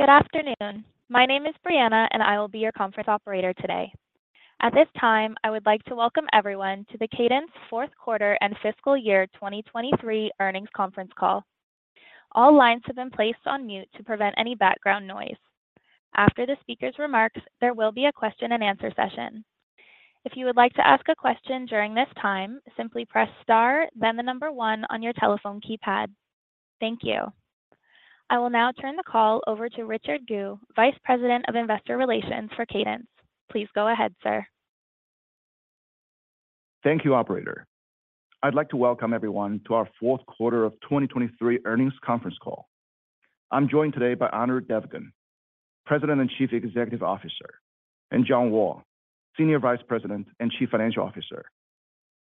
Good afternoon. My name is Brianna, and I will be your conference operator today. At this time, I would like to welcome everyone to the Cadence Q4 and fiscal year 2023 earnings conference call. All lines have been placed on mute to prevent any background noise. After the speaker's remarks, there will be a question-and-answer session. If you would like to ask a question during this time, simply press star, then the number 1 on your telephone keypad. Thank you. I will now turn the call over to Richard Gu, Vice President of Investor Relations for Cadence. Please go ahead, sir. Thank you, Operator. I'd like to welcome everyone to our Q4 of 2023 earnings conference call. I'm joined today by Anirudh Devgan, President and Chief Executive Officer, and John Wall, Senior Vice President and Chief Financial Officer.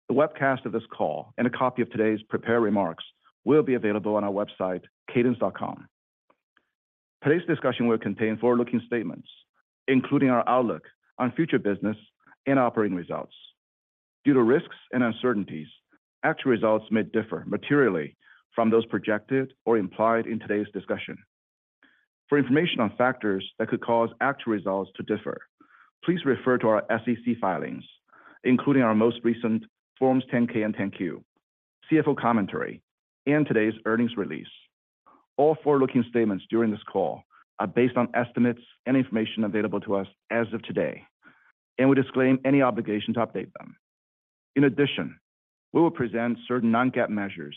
The webcast of this call and a copy of today's prepared remarks will be available on our website, cadence.com. Today's discussion will contain forward-looking statements, including our outlook on future business and operating results. Due to risks and uncertainties, actual results may differ materially from those projected or implied in today's discussion. For information on factors that could cause actual results to differ, please refer to our SEC filings, including our most recent Forms 10-K and 10-Q, CFO commentary, and today's earnings release. All forward-looking statements during this call are based on estimates and information available to us as of today, and we disclaim any obligation to update them. In addition, we will present certain non-GAAP measures,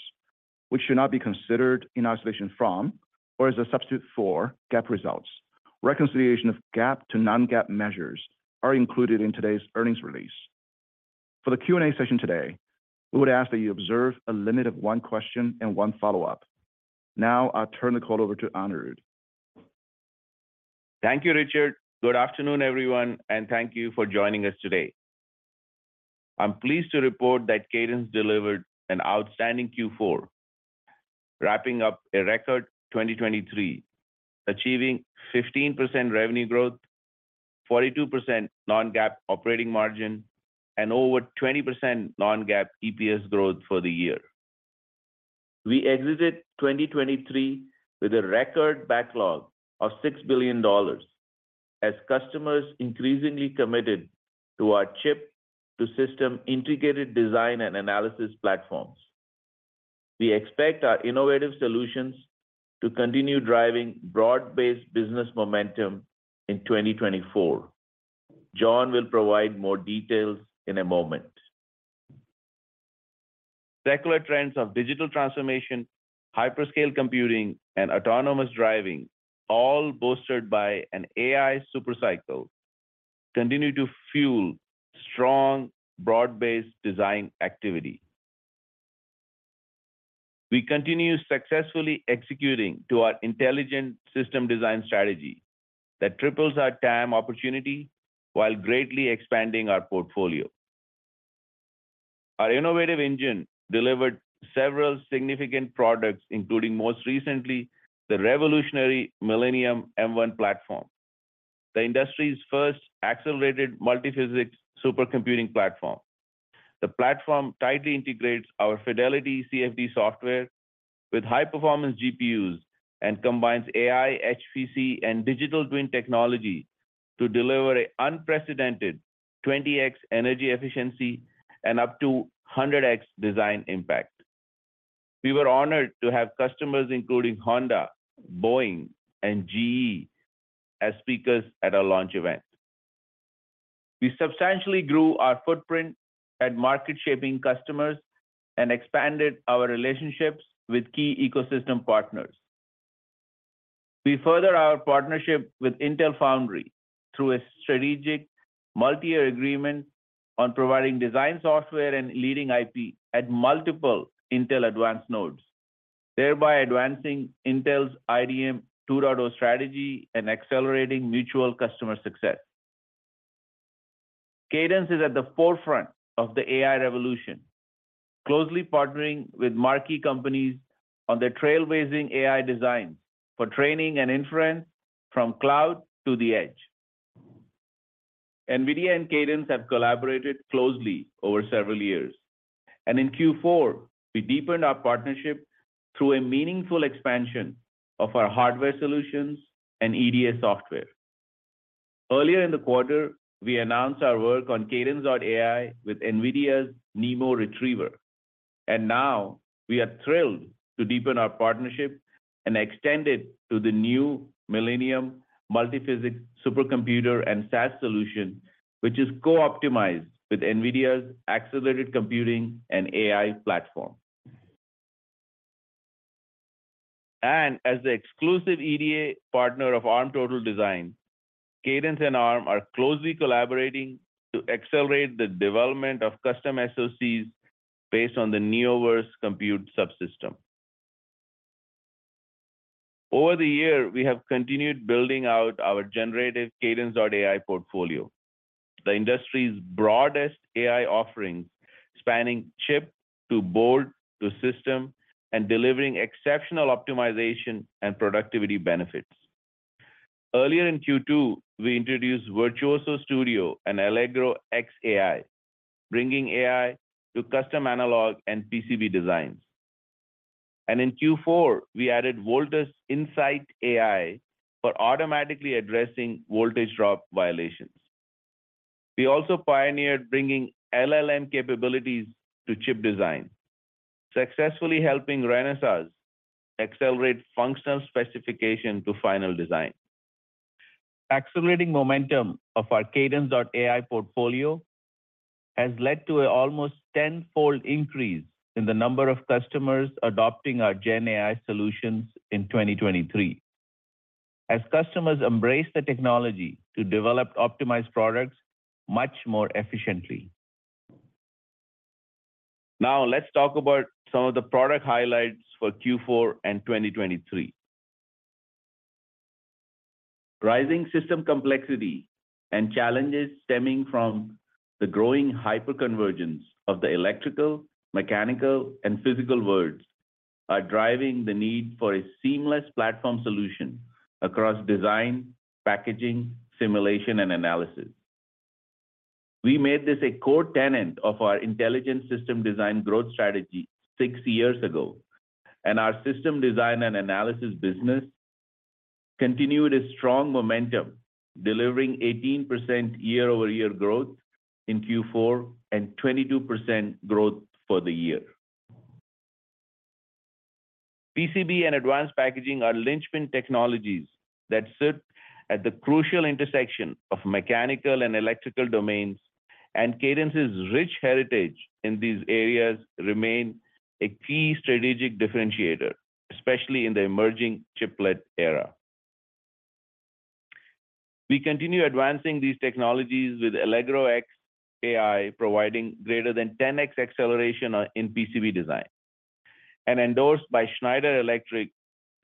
which should not be considered in isolation from or as a substitute for GAAP results. Reconciliation of GAAP to non-GAAP measures are included in today's earnings release. For the Q&A session today, we would ask that you observe a limit of one question and one follow-up. Now I'll turn the call over to Anirudh. Thank you, Richard. Good afternoon, everyone, and thank you for joining us today. I'm pleased to report that Cadence delivered an outstanding Q4, wrapping up a record 2023, achieving 15% revenue growth, 42% non-GAAP operating margin, and over 20% non-GAAP EPS growth for the year. We exited 2023 with a record backlog of $6 billion as customers increasingly committed to our chip-to-system integrated design and analysis platforms. We expect our innovative solutions to continue driving broad-based business momentum in 2024. John will provide more details in a moment. Regular trends of digital transformation, hyperscale computing, and autonomous driving, all bolstered by an AI Supercycle, continue to fuel strong broad-based design activity. We continue successfully executing our intelligent system design strategy that triples our TAM opportunity while greatly expanding our portfolio. Our innovative engine delivered several significant products, including most recently the revolutionary Millennium M1 platform, the industry's first accelerated multiphysics supercomputing platform. The platform tightly integrates our Fidelity CFD software with high-performance GPUs and combines AI, HPC, and digital twin technology to deliver an unprecedented 20x energy efficiency and up to 100x design impact. We were honored to have customers including Honda, Boeing, and GE as speakers at our launch event. We substantially grew our footprint at market-shaping customers and expanded our relationships with key ecosystem partners. We further our partnership with Intel Foundry through a strategic multi-year agreement on providing design software and leading IP at multiple Intel Advanced nodes, thereby advancing Intel's IDM 2.0 strategy and accelerating mutual customer success. Cadence is at the forefront of the AI revolution, closely partnering with marquee companies on their trailblazing AI designs for training and inference from cloud to the edge. NVIDIA and Cadence have collaborated closely over several years, and in Q4, we deepened our partnership through a meaningful expansion of our hardware solutions and EDA software. Earlier in the quarter, we announced our work on Cadence AI with NVIDIA's NeMo Retriever, and now we are thrilled to deepen our partnership and extend it to the new Millennium multiphysics supercomputer and SaaS solution, which is co-optimized with NVIDIA's accelerated computing and AI platform. As the exclusive EDA partner of Arm Total Design, Cadence and Arm are closely collaborating to accelerate the development of custom SoCs based on the Neoverse Compute Subsystem. Over the year, we have continued building out our generative Cadence AI portfolio, the industry's broadest AI offerings spanning chip to board to system, and delivering exceptional optimization and productivity benefits. Earlier in Q2, we introduced Virtuoso Studio and Allegro X AI, bringing AI to custom analog and PCB designs. In Q4, we added Voltus Insight AI for automatically addressing voltage drop violations. We also pioneered bringing LLM capabilities to chip design, successfully helping Renesas accelerate functional specification to final design. Accelerating momentum of our Cadence AI portfolio has led to an almost tenfold increase in the number of customers adopting our GenAI solutions in 2023, as customers embrace the technology to develop optimized products much more efficiently. Now let's talk about some of the product highlights for Q4 and 2023. Rising system complexity and challenges stemming from the growing hyper-convergence of the electrical, mechanical, and physical worlds are driving the need for a seamless platform solution across design, packaging, simulation, and analysis. We made this a core tenet of our intelligent system design growth strategy six years ago, and our system design and analysis business continued a strong momentum, delivering 18% year-over-year growth in Q4 and 22% growth for the year. PCB and advanced packaging are linchpin technologies that sit at the crucial intersection of mechanical and electrical domains, and Cadence's rich heritage in these areas remains a key strategic differentiator, especially in the emerging chiplet era. We continue advancing these technologies with Allegro X AI, providing greater than 10x acceleration in PCB design, and endorsed by Schneider Electric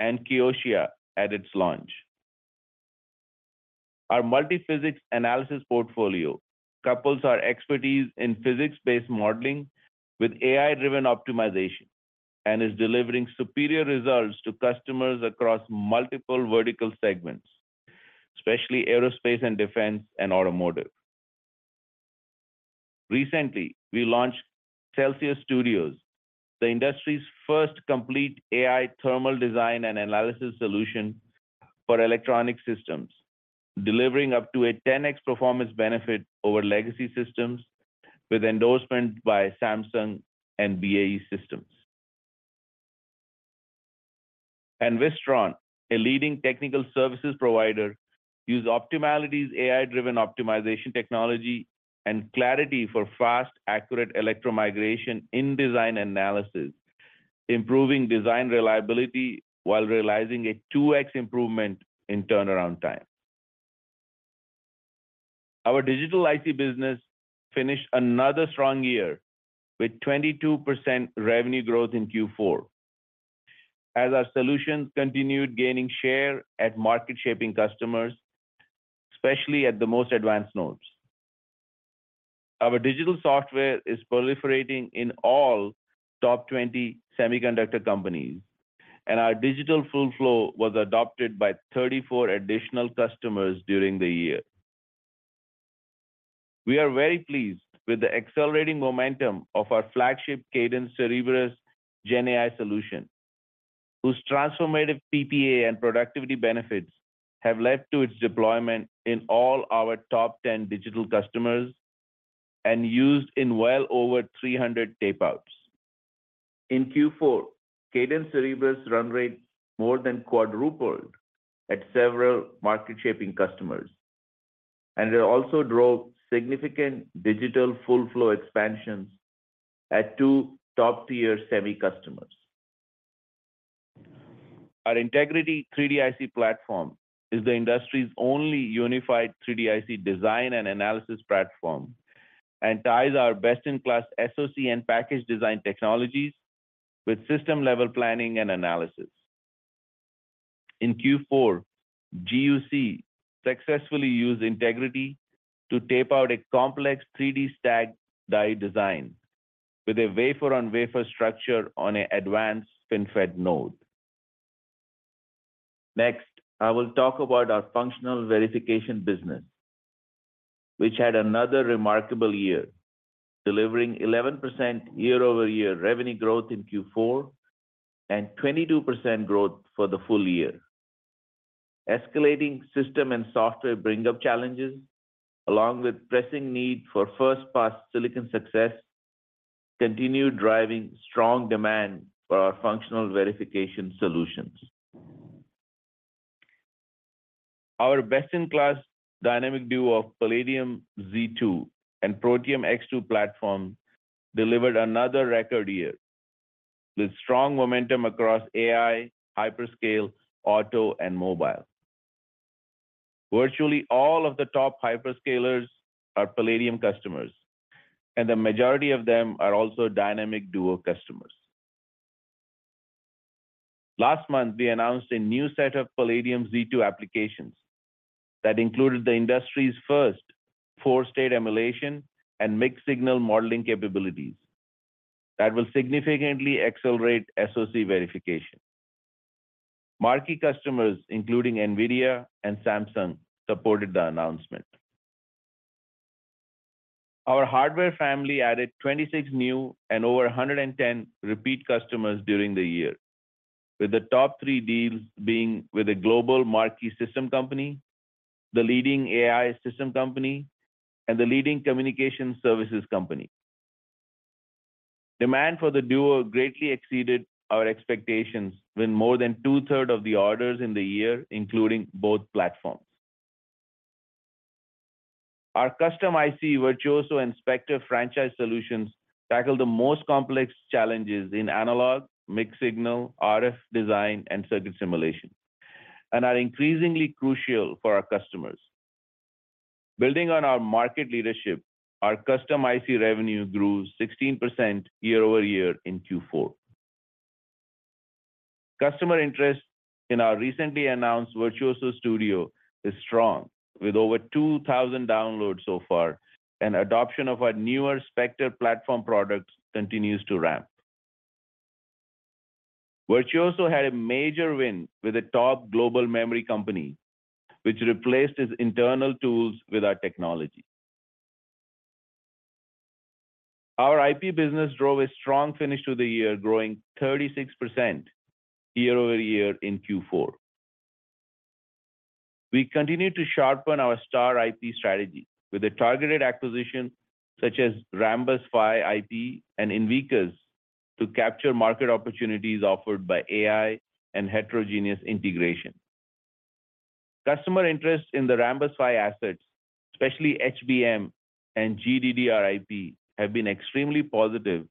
and Kioxia at its launch. Our multiphysics analysis portfolio couples our expertise in physics-based modeling with AI-driven optimization and is delivering superior results to customers across multiple vertical segments, especially aerospace and defense and automotive. Recently, we launched Celsius Studio, the industry's first complete AI thermal design and analysis solution for electronic systems, delivering up to a 10x performance benefit over legacy systems with endorsement by Samsung and BAE Systems. Wistron, a leading technical services provider, uses Optimality's AI-driven optimization technology and Clarity for fast, accurate electromigration in design analysis, improving design reliability while realizing a 2x improvement in turnaround time. Our digital IC business finished another strong year with 22% revenue growth in Q4, as our solutions continued gaining share at market-shaping customers, especially at the most advanced nodes. Our digital software is proliferating in all top 20 semiconductor companies, and our digital full flow was adopted by 34 additional customers during the year. We are very pleased with the accelerating momentum of our flagship Cadence Cerebrus GenAI solution, whose transformative PPA and productivity benefits have led to its deployment in all our top 10 digital customers and used in well over 300 tapeouts. In Q4, Cadence Cerebrus run rate more than quadrupled at several market-shaping customers, and it also drove significant digital full flow expansions at two top-tier semi-customers. Our Integrity 3D-IC platform is the industry's only unified 3D-IC design and analysis platform and ties our best-in-class SoC and package design technologies with system-level planning and analysis. In Q4, GUC successfully used Integrity to tape out a complex 3D stacked die design with a wafer-on-wafer structure on an advanced FinFET node. Next, I will talk about our functional verification business, which had another remarkable year, delivering 11% year-over-year revenue growth in Q4 and 22% growth for the full year. Escalating system and software bring-up challenges, along with pressing need for first-pass silicon success, continue driving strong demand for our functional verification solutions. Our best-in-class Dynamic Duo of Palladium Z2 and Protium X2 platform delivered another record year with strong momentum across AI, hyperscale, auto, and mobile. Virtually all of the top hyperscalers are Palladium customers, and the majority of them are also Dynamic Duo customers. Last month, we announced a new set of Palladium Z2 applications that included the industry's first four-state emulation and mixed-signal modeling capabilities that will significantly accelerate SoC verification. Marquee customers, including NVIDIA and Samsung, supported the announcement. Our hardware family added 26 new and over 110 repeat customers during the year, with the top three deals being with a global marquee system company, the leading AI system company, and the leading communication services company. Demand for the duo greatly exceeded our expectations when more than two-thirds of the orders in the year included both platforms. Our custom IC Virtuoso and Spectre franchise solutions tackle the most complex challenges in analog, mixed-signal, RF design, and circuit simulation, and are increasingly crucial for our customers. Building on our market leadership, our custom IC revenue grew 16% year-over-year in Q4. Customer interest in our recently announced Virtuoso Studio is strong, with over 2,000 downloads so far, and adoption of our newer Spectre platform products continues to ramp. Virtuoso had a major win with a top global memory company, which replaced its internal tools with our technology. Our IP business drove a strong finish to the year, growing 36% year-over-year in Q4. We continue to sharpen our Star IP strategy with a targeted acquisition such as Rambus PHY IP and Invecas to capture market opportunities offered by AI and heterogeneous integration. Customer interest in the Rambus PHY assets, especially HBM and GDDR IP, have been extremely positive,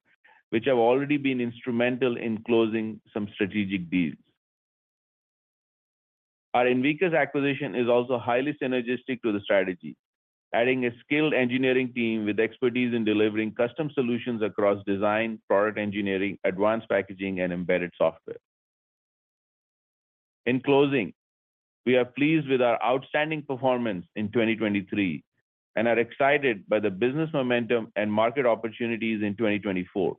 which have already been instrumental in closing some strategic deals. Our Invecas acquisition is also highly synergistic to the strategy, adding a skilled engineering team with expertise in delivering custom solutions across design, product engineering, advanced packaging, and embedded software. In closing, we are pleased with our outstanding performance in 2023 and are excited by the business momentum and market opportunities in 2024.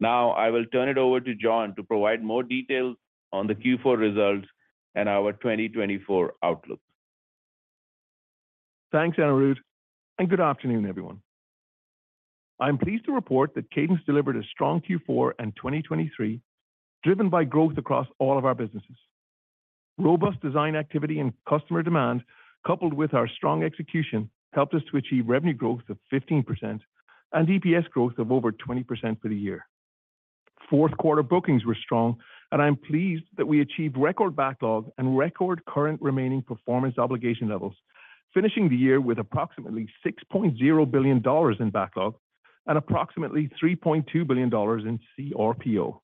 Now I will turn it over to John to provide more details on the Q4 results and our 2024 outlook. Thanks, Anirudh, and good afternoon, everyone. I'm pleased to report that Cadence delivered a strong Q4 and 2023 driven by growth across all of our businesses. Robust design activity and customer demand, coupled with our strong execution, helped us to achieve revenue growth of 15% and EPS growth of over 20% for the year.Q4 bookings were strong, and I'm pleased that we achieved record backlog and record current remaining performance obligation levels, finishing the year with approximately $6.0 billion in backlog and approximately $3.2 billion in CRPO.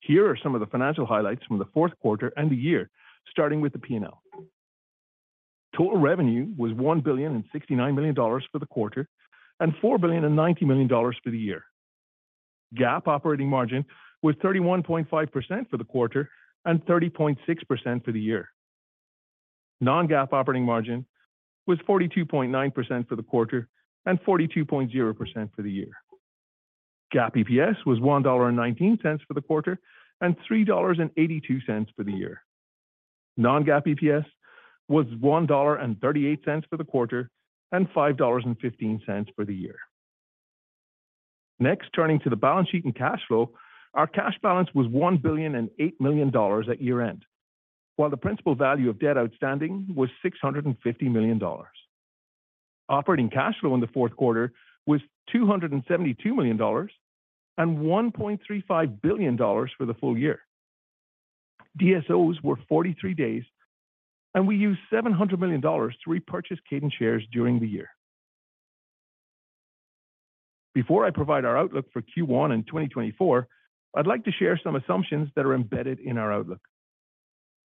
Here are some of the financial highlights from the Q4 and the year, starting with the P&L. Total revenue was $1.69 billion for the quarter and $4.90 billion for the year. GAAP operating margin was 31.5% for the quarter and 30.6% for the year. Non-GAAP operating margin was 42.9% for the quarter and 42.0% for the year. GAAP EPS was $1.19 for the quarter and $3.82 for the year. Non-GAAP EPS was $1.38 for the quarter and $5.15 for the year. Next, turning to the balance sheet and cash flow, our cash balance was $1.08 billion at year-end, while the principal value of debt outstanding was $650 million. Operating cash flow in the Q4 was $272 million and $1.35 billion for the full year. DSOs were 43 days, and we used $700 million to repurchase Cadence shares during the year. Before I provide our outlook for Q1 and 2024, I'd like to share some assumptions that are embedded in our outlook.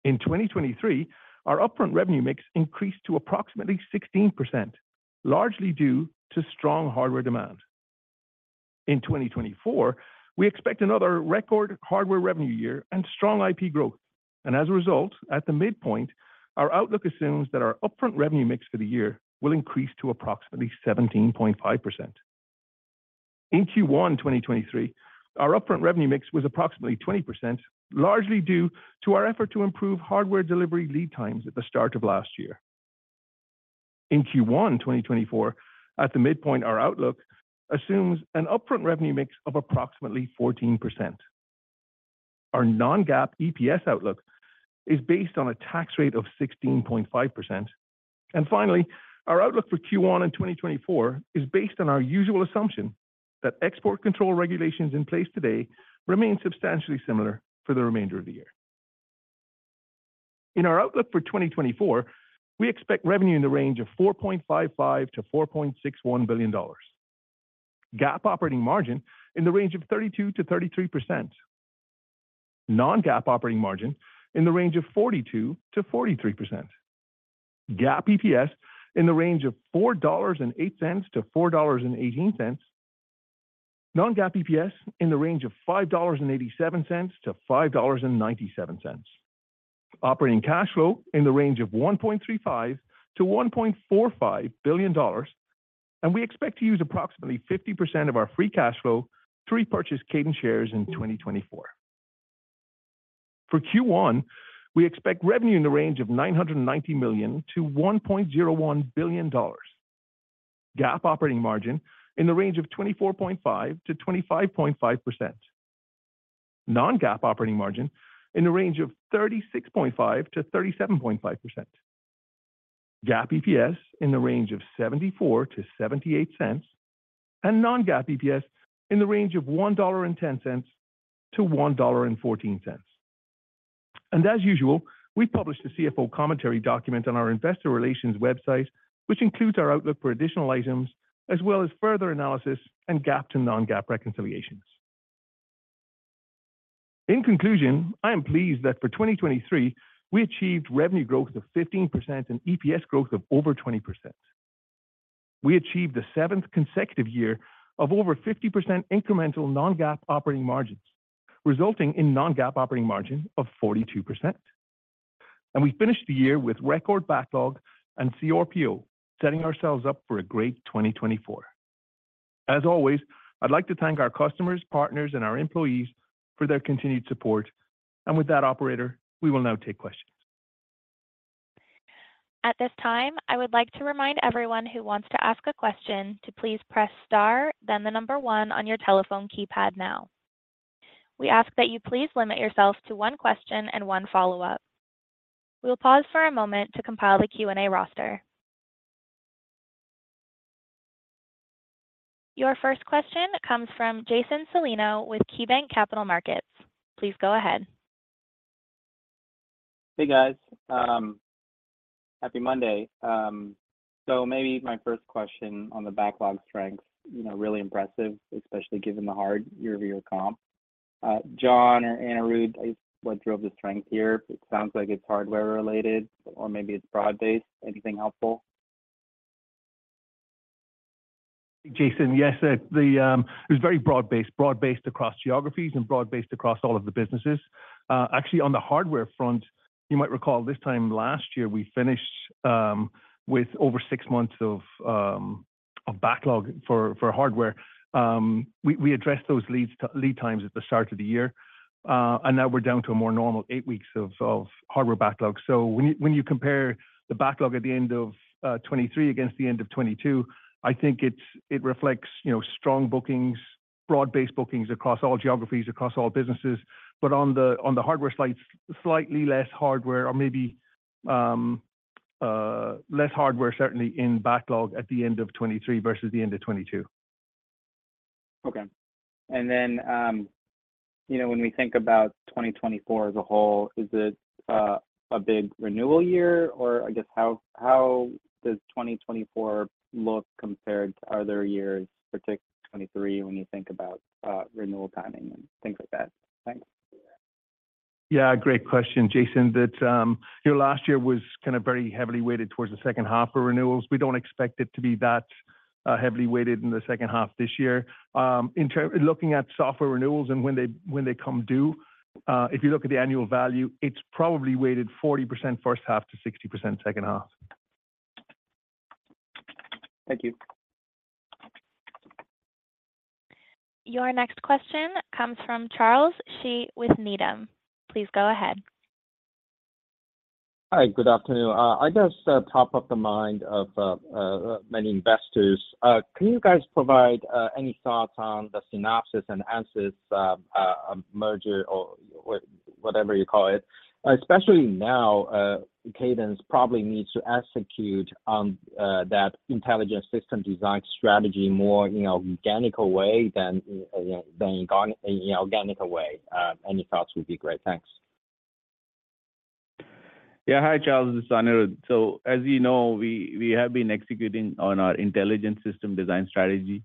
In 2023, our upfront revenue mix increased to approximately 16%, largely due to strong hardware demand. In 2024, we expect another record hardware revenue year and strong IP growth. As a result, at the midpoint, our outlook assumes that our upfront revenue mix for the year will increase to approximately 17.5%. In Q1 2023, our upfront revenue mix was approximately 20%, largely due to our effort to improve hardware delivery lead times at the start of last year. In Q1 2024, at the midpoint, our outlook assumes an upfront revenue mix of approximately 14%. Our non-GAAP EPS outlook is based on a tax rate of 16.5%. And finally, our outlook for Q1 and 2024 is based on our usual assumption that export control regulations in place today remain substantially similar for the remainder of the year. In our outlook for 2024, we expect revenue in the range of $4.55-$4.61 billion. GAAP operating margin in the range of 32%-33%. Non-GAAP operating margin in the range of 42%-43%. GAAP EPS in the range of $4.08-$4.18. Non-GAAP EPS in the range of $5.87-$5.97. Operating cash flow in the range of $1.35-$1.45 billion, and we expect to use approximately 50% of our free cash flow to repurchase Cadence shares in 2024. For Q1, we expect revenue in the range of $990 million to $1.01 billion. GAAP operating margin in the range of 24.5%-25.5%. Non-GAAP operating margin in the range of 36.5%-37.5%. GAAP EPS in the range of $0.74-$0.78, and non-GAAP EPS in the range of $1.10-$1.14. And as usual, we published a CFO commentary document on our investor relations website, which includes our outlook for additional items as well as further analysis and GAAP to non-GAAP reconciliations. In conclusion, I am pleased that for 2023, we achieved revenue growth of 15% and EPS growth of over 20%. We achieved the seventh consecutive year of over 50% incremental non-GAAP operating margins, resulting in non-GAAP operating margin of 42%. And we finished the year with record backlog and CRPO, setting ourselves up for a great 2024. As always, I'd like to thank our customers, partners, and our employees for their continued support. And with that, operator, we will now take questions. At this time, I would like to remind everyone who wants to ask a question to please press STAR, then the number 1 on your telephone keypad now. We ask that you please limit yourself to one question and one follow-up. We will pause for a moment to compile the Q&A roster. Your first question comes from Jason Celino with KeyBanc Capital Markets. Please go ahead. Hey, guys. Happy Monday. So maybe my first question on the backlog strengths, you know, really impressive, especially given the hard year-over-year comp. John or Anirudh, I guess what drove the strength here? It sounds like it's hardware-related, or maybe it's broad-based. Anything helpful? Jason, yes, the, it was very broad-based, broad-based across geographies and broad-based across all of the businesses. Actually, on the hardware front, you might recall this time last year, we finished with over 6 months of backlog for hardware. We addressed those lead times at the start of the year. And now we're down to a more normal 8 weeks of hardware backlog. So when you compare the backlog at the end of 2023 against the end of 2022, I think it reflects, you know, strong bookings, broad-based bookings across all geographies, across all businesses, but on the hardware side, slightly less hardware or maybe less hardware certainly in backlog at the end of 2023 versus the end of 2022. Okay. And then, you know, when we think about 2024 as a whole, is it a big renewal year? Or I guess how does 2024 look compared to other years, particularly 2023, when you think about renewal timing and things like that? Thanks. Yeah, great question, Jason, that, your last year was kind of very heavily weighted towards the second half of renewals. We don't expect it to be that, heavily weighted in the second half this year. In terms of looking at software renewals and when they, when they come due, if you look at the annual value, it's probably weighted 40% first half to 60% second half. Thank you. Your next question comes from Charles Shi with Needham & Company. Please go ahead. Hi, good afternoon. I guess, top of the mind of many investors, can you guys provide any thoughts on the Synopsys and Ansys merger or whatever you call it? Especially now, Cadence probably needs to execute on that intelligent system design strategy more in an organic way than in an inorganic way. Any thoughts would be great. Thanks. Yeah, hi, Charles. It's Anirudh. So as you know, we have been executing on our intelligent system design strategy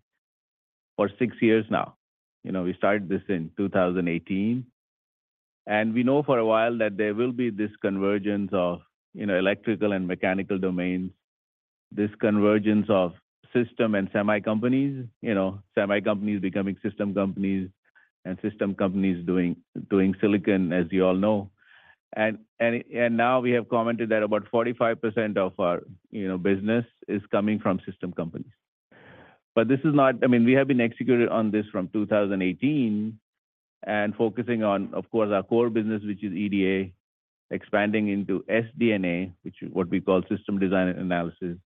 for six years now. You know, we started this in 2018. And we know for a while that there will be this convergence of, you know, electrical and mechanical domains, this convergence of system and semi-companies you know, semi-companies becoming system companies and system companies doing silicon, as you all know. And now we have commented that about 45% of our, you know, business is coming from system companies. But this is not, I mean, we have been executing on this from 2018 and focusing on, of course, our core business, which is EDA, expanding into SDNA, which is what we call system design and analysis,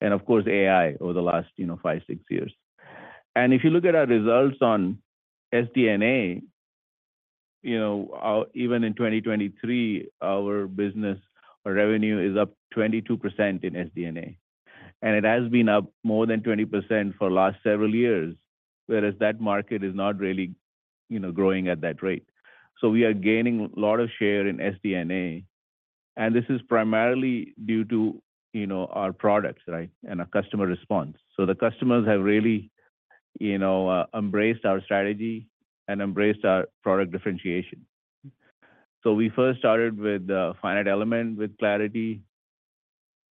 and of course, AI over the last, you know, five, six years. If you look at our results on SDNA, you know, even in 2023, our business revenue is up 22% in SDNA. It has been up more than 20% for the last several years, whereas that market is not really, you know, growing at that rate. So we are gaining a lot of share in SDNA. And this is primarily due to, you know, our products, right, and our customer response. So the customers have really, you know, embraced our strategy and embraced our product differentiation. So we first started with Finite Element with Clarity.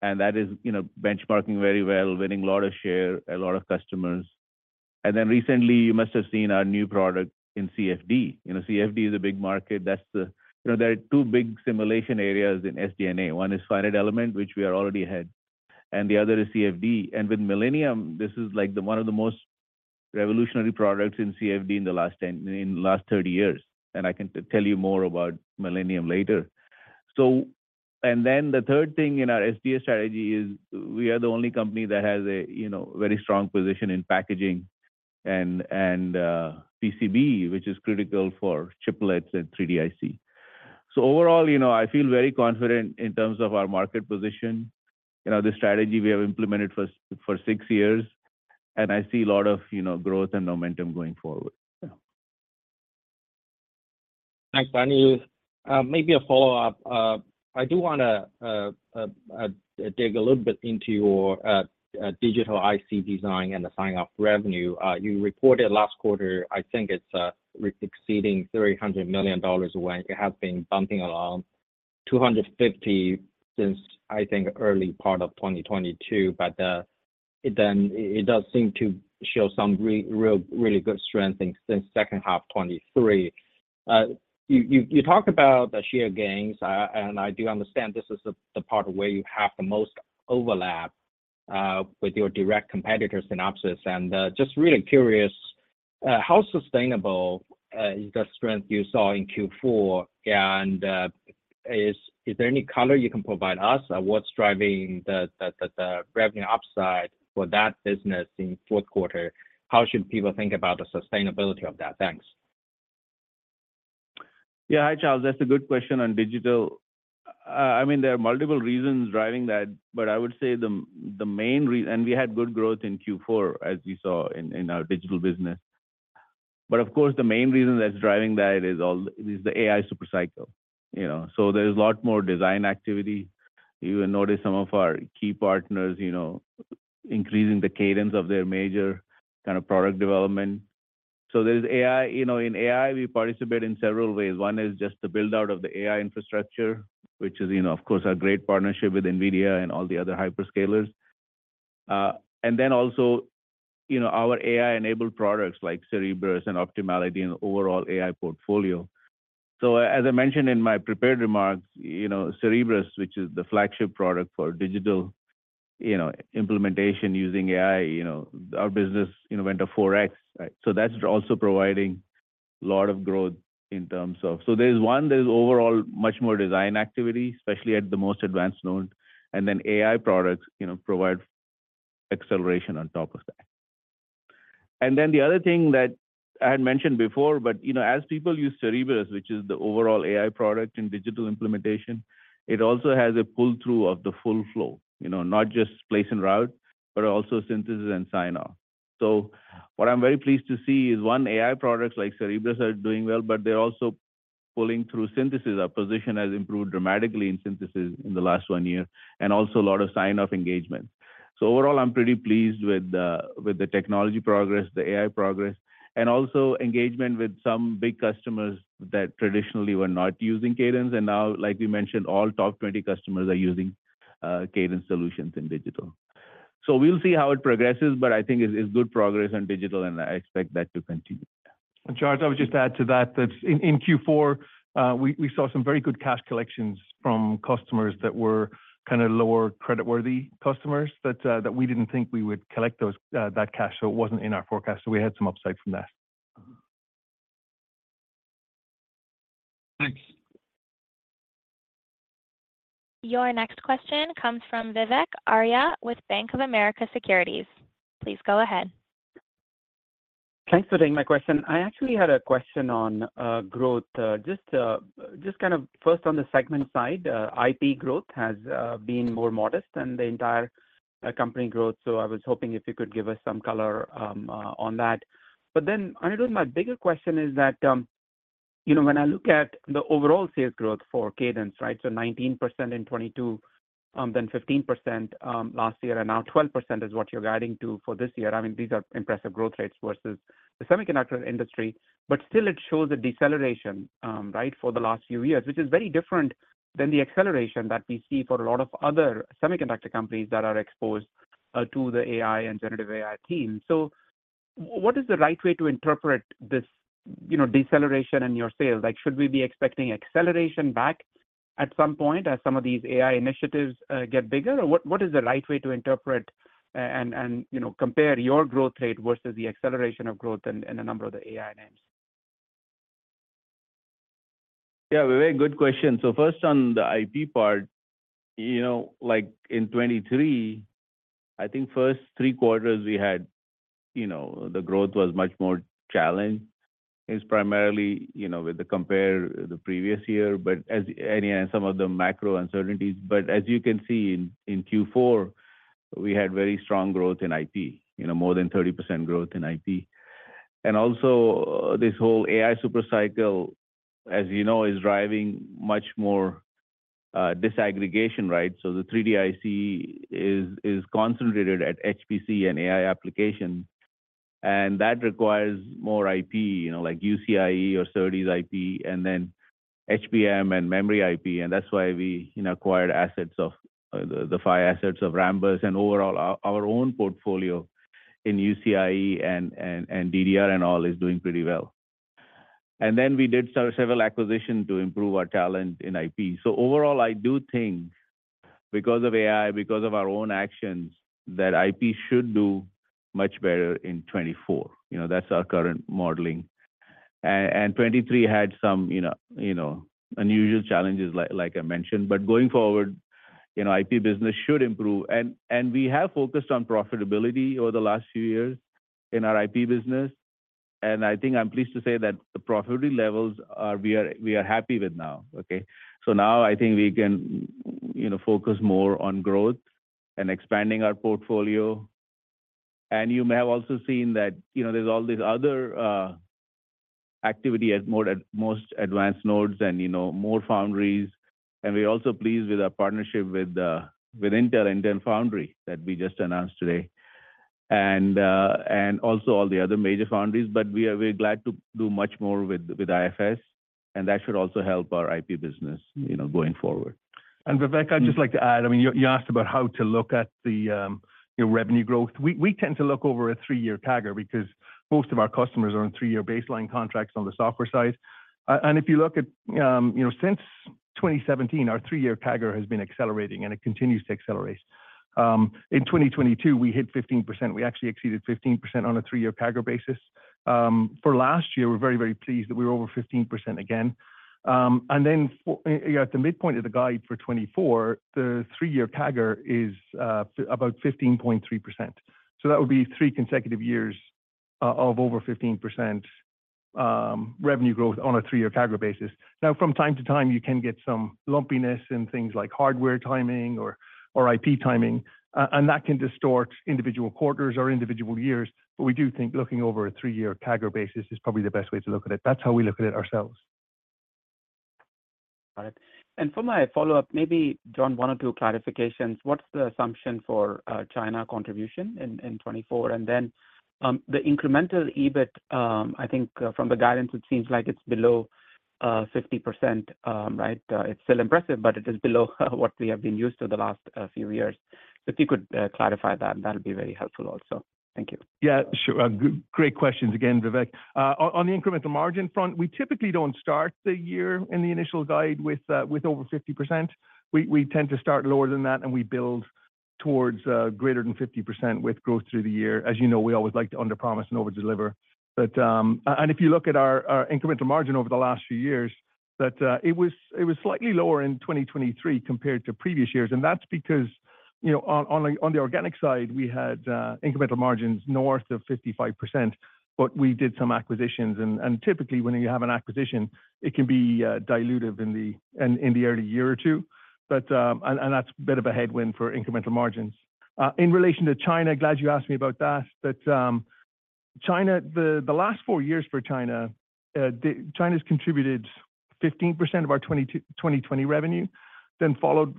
And that is, you know, benchmarking very well, winning a lot of share, a lot of customers. And then recently, you must have seen our new product in CFD. You know, CFD is a big market. That's, you know, there are two big simulation areas in SDNA. One is Finite Element, which we are already ahead. The other is CFD. And with Millennium, this is like one of the most revolutionary products in CFD in the last 30 years. And I can tell you more about Millennium later. So then the third thing in our SDA strategy is we are the only company that has a, you know, very strong position in packaging and PCB, which is critical for chiplets and 3D-IC. So overall, you know, I feel very confident in terms of our market position. You know, the strategy we have implemented for six years. And I see a lot of, you know, growth and momentum going forward. Yeah. Thanks, Anirudh. Maybe a follow-up. I do want to dig a little bit into your digital IC design and the sign-off revenue. You reported last quarter, I think it's exceeding $300 million when it has been bumping along $250 million since, I think, early part of 2022. But it then does seem to show some real really good strength since second half 2023. You talk about the share gains. I and I do understand this is the part of where you have the most overlap with your direct competitor Synopsys. And just really curious how sustainable is the strength you saw in Q4? And is there any color you can provide us on what's driving the revenue upside for that business in Q4? How should people think about the sustainability of that? Thanks. Yeah, hi, Charles. That's a good question on digital. I mean, there are multiple reasons driving that. But I would say the main reason and we had good growth in Q4, as you saw in our digital business. But of course, the main reason that's driving that is the AI Supercycle. You know, so there's a lot more design activity. You will notice some of our key partners, you know, increasing the cadence of their major kind of product development. So there's AI you know, in AI, we participate in several ways. One is just the build-out of the AI infrastructure, which is, you know, of course, a great partnership with NVIDIA and all the other hyperscalers. And then also, you know, our AI-enabled products like Cerebrus and Optimality and overall AI portfolio. So as I mentioned in my prepared remarks, you know, Cerebrus, which is the flagship product for digital, you know, implementation using AI, you know, our business, you know, went to 4x, right? So that's also providing a lot of growth in terms of so there's one, there's overall much more design activity, especially at the most advanced node. And then AI products, you know, provide acceleration on top of that. And then the other thing that I had mentioned before, but, you know, as people use Cerebrus, which is the overall AI product in digital implementation, it also has a pull-through of the full flow, you know, not just place and route, but also synthesis and sign-off. So what I'm very pleased to see is, one, AI products like Cerebrus are doing well, but they're also pulling through synthesis. Our position has improved dramatically in synthesis in the last one year, and also a lot of sign-off engagements. Overall, I'm pretty pleased with the technology progress, the AI progress, and also engagement with some big customers that traditionally were not using Cadence. Now, like we mentioned, all top 20 customers are using Cadence solutions in digital. So we'll see how it progresses, but I think it's good progress on digital. And I expect that to continue. Charles, I would just add to that that in Q4, we saw some very good cash collections from customers that were kind of lower creditworthy customers that we didn't think we would collect those, that cash. So it wasn't in our forecast. So we had some upside from that. Thanks. Your next question comes from Vivek Arya with Bank of America Securities. Please go ahead. Thanks for taking my question. I actually had a question on growth, just kind of first on the segment side. IP growth has been more modest than the entire company growth. So I was hoping if you could give us some color on that. But then, Anirudh, my bigger question is that, you know, when I look at the overall sales growth for Cadence, right, so 19% in 2022, then 15% last year, and now 12% is what you're guiding to for this year. I mean, these are impressive growth rates versus the semiconductor industry. But still, it shows a deceleration, right, for the last few years, which is very different than the acceleration that we see for a lot of other semiconductor companies that are exposed to the AI and generative AI theme. So what is the right way to interpret this, you know, deceleration in your sales? Like, should we be expecting acceleration back at some point as some of these AI initiatives get bigger? Or what, what is the right way to interpret, and, and, you know, compare your growth rate versus the acceleration of growth in, in a number of the AI names? Yeah, very good question. So first on the IP part, you know, like in 2023, I think first three quarters, we had, you know, the growth was much more challenged. It's primarily, you know, with the compare the previous year, but as any and some of the macro uncertainties. But as you can see in Q4, we had very strong growth in IP, you know, more than 30% growth in IP. And also, this whole AI Supercycle, as you know, is driving much more disaggregation, right? So the 3D-IC is concentrated at HPC and AI application. And that requires more IP, you know, like UCIe or SerDes IP, and then HBM and memory IP. And that's why we, you know, acquired assets of the five assets of Rambus. And overall, our own portfolio in UCIe and DDR and all is doing pretty well. And then we did several acquisitions to improve our talent in IP. So overall, I do think because of AI, because of our own actions, that IP should do much better in 2024. You know, that's our current modeling. And 2023 had some, you know, unusual challenges, like I mentioned. But going forward, you know, IP business should improve. And we have focused on profitability over the last few years in our IP business. And I think I'm pleased to say that the profitability levels are we are happy with now, okay? So now, I think we can, you know, focus more on growth and expanding our portfolio. And you may have also seen that, you know, there's all these other activity at more at most advanced nodes and, you know, more foundries. We're also pleased with our partnership with Intel Foundry that we just announced today. And also all the other major foundries. But we're glad to do much more with IFS. And that should also help our IP business, you know, going forward. And Vivek, I'd just like to add. I mean, you, you asked about how to look at the, your revenue growth. We, we tend to look over a three-year CAGR because most of our customers are on three-year baseline contracts on the software side. And if you look at, you know, since 2017, our three-year CAGR has been accelerating, and it continues to accelerate. In 2022, we hit 15%. We actually exceeded 15% on a three-year CAGR basis. For last year, we're very, very pleased that we were over 15% again. And then for you know, at the midpoint of the guide for 2024, the three-year CAGR is, about 15.3%. So that would be three consecutive years, of over 15%, revenue growth on a three-year CAGR basis. Now, from time to time, you can get some lumpiness in things like hardware timing or, or IP timing. And that can distort individual quarters or individual years. But we do think looking over a three-year CAGR basis is probably the best way to look at it. That's how we look at it ourselves. Got it. And for my follow-up, maybe John on one or two clarifications. What's the assumption for China contribution in 2024? And then, the incremental EBIT, I think, from the guidance, it seems like it's below 50%, right? It's still impressive, but it is below what we have been used to the last few years. So if you could clarify that, that would be very helpful also. Thank you. Yeah, sure. Great questions again, Vivek. On the incremental margin front, we typically don't start the year in the initial guide with over 50%. We tend to start lower than that. And we build towards greater than 50% with growth through the year. As you know, we always like to underpromise and overdeliver. But if you look at our incremental margin over the last few years, it was slightly lower in 2023 compared to previous years. And that's because, you know, on the organic side, we had incremental margins north of 55%. But we did some acquisitions. And typically, when you have an acquisition, it can be dilutive in the early year or two. And that's a bit of a headwind for incremental margins. In relation to China, glad you asked me about that. But China, the last four years for China, China's contributed 15% of our 2020 revenue, then followed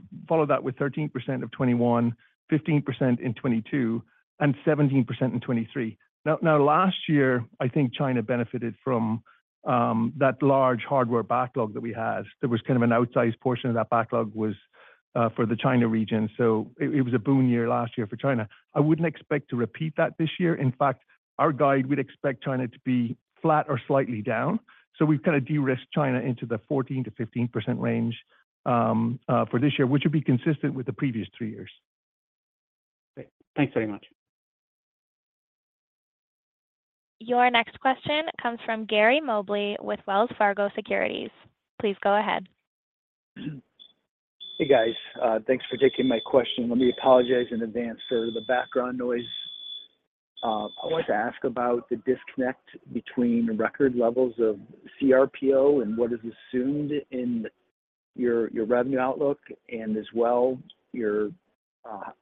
that with 13% of 2021, 15% in 2022, and 17% in 2023. Now last year, I think China benefited from that large hardware backlog that we had. There was kind of an outsized portion of that backlog was for the China region. So it was a boon year last year for China. I wouldn't expect to repeat that this year. In fact, our guide, we'd expect China to be flat or slightly down. So we've kind of de-risked China into the 14%-15% range for this year, which would be consistent with the previous three years. Great. Thanks very much. Your next question comes from Gary Mobley with Wells Fargo Securities. Please go ahead. Hey, guys. Thanks for taking my question. Let me apologize in advance for the background noise. I wanted to ask about the disconnect between record levels of CRPO and what is assumed in your revenue outlook and as well your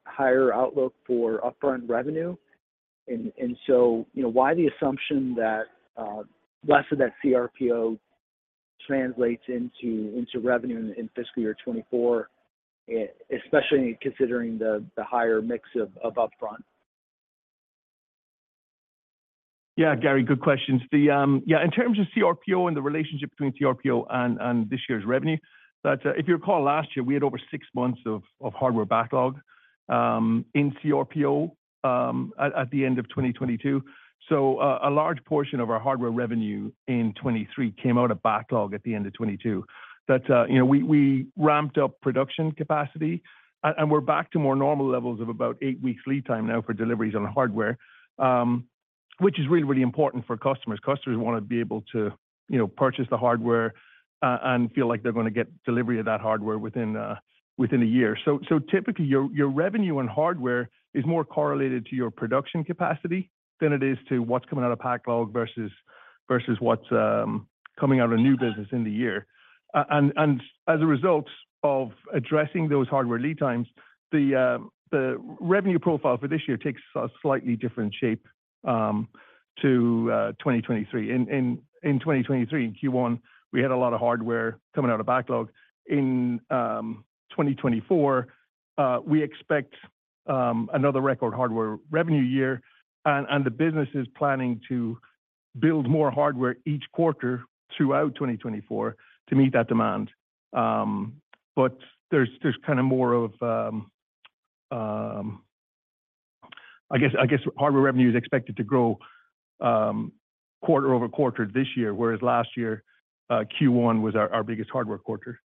higher outlook for upfront revenue. And so, you know, why the assumption that less of that CRPO translates into revenue in fiscal year 2024, especially considering the higher mix of upfront? Yeah, Gary, good questions. Yeah, in terms of CRPO and the relationship between CRPO and this year's revenue, if you recall last year, we had over six months of hardware backlog in CRPO at the end of 2022. So, a large portion of our hardware revenue in 2023 came out of backlog at the end of 2022. That, you know, we ramped up production capacity. And we're back to more normal levels of about eight weeks lead time now for deliveries on hardware, which is really important for customers. Customers want to be able to, you know, purchase the hardware, and feel like they're going to get delivery of that hardware within a year. So typically, your revenue on hardware is more correlated to your production capacity than it is to what's coming out of backlog versus what's coming out of new business in the year. And as a result of addressing those hardware lead times, the revenue profile for this year takes a slightly different shape to 2023. In 2023, in Q1, we had a lot of hardware coming out of backlog. In 2024, we expect another record hardware revenue year. And the business is planning to build more hardware each quarter throughout 2024 to meet that demand. But there's kind of more of. I guess hardware revenue is expected to grow quarter-over-quarter this year, whereas last year, Q1 was our biggest hardware quarter.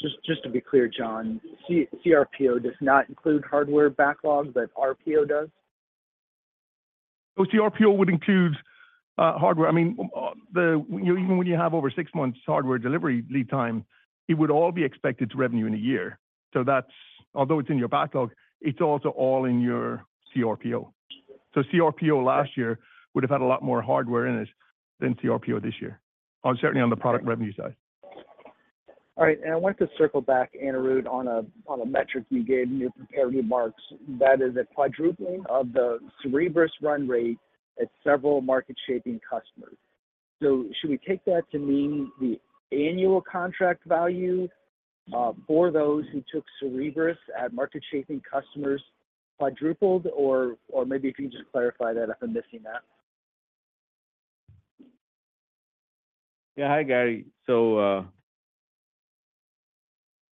Just, just to be clear, John, CRPO does not include hardware backlog, but RPO does? Oh, CRPO would include hardware. I mean, the, you know, even when you have over six months hardware delivery lead time, it would all be expected to revenue in a year. So that's although it's in your backlog, it's also all in your CRPO. So CRPO last year would have had a lot more hardware in it than CRPO this year, certainly on the product revenue side. All right. I wanted to circle back, Anirudh, on a metric you gave in your prepared remarks. That is a quadrupling of the Cerebrus run rate at several market-shaping customers. So should we take that to mean the annual contract value, for those who took Cerebrus at market-shaping customers quadrupled? Or, or maybe if you can just clarify that if I'm missing that. Yeah, hi, Gary. So,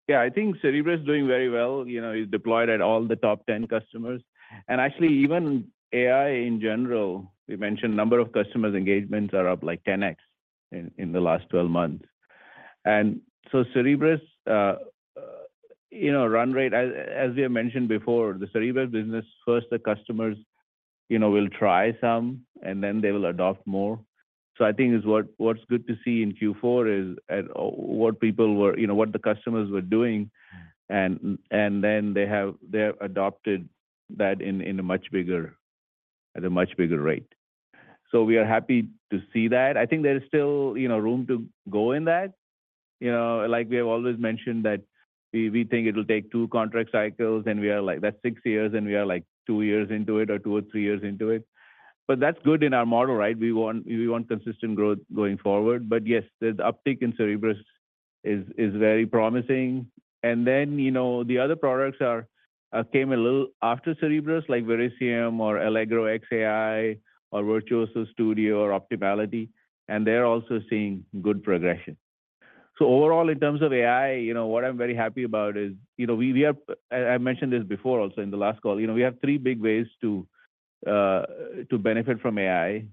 yeah, I think Cerebrus is doing very well. You know, it's deployed at all the top 10 customers. And actually, even AI in general, we mentioned number of customers engagements are up like 10x in, in the last 12 months. And so Cerebrus, you know, run rate, as, as we have mentioned before, the Cerebrus business, first, the customers, you know, will try some, and then they will adopt more. So I think it's what, what's good to see in Q4 is at what people were you know, what the customers were doing. And, and then they have they have adopted that in, in a much bigger at a much bigger rate. So we are happy to see that. I think there's still, you know, room to go in that. You know, like we have always mentioned that we, we think it'll take two contract cycles. And we are like, that's six years. And we are like two years into it or two or three years into it. But that's good in our model, right? We want we want consistent growth going forward. But yes, the uptick in Cerebrus is, is very promising. And then, you know, the other products are, came a little after Cerebrus, like Verisium or Allegro X AI or Virtuoso Studio or Optimality. And they're also seeing good progression. So overall, in terms of AI, you know, what I'm very happy about is, you know, we, we are as I mentioned this before also in the last call, you know, we have three big ways to, to benefit from AI.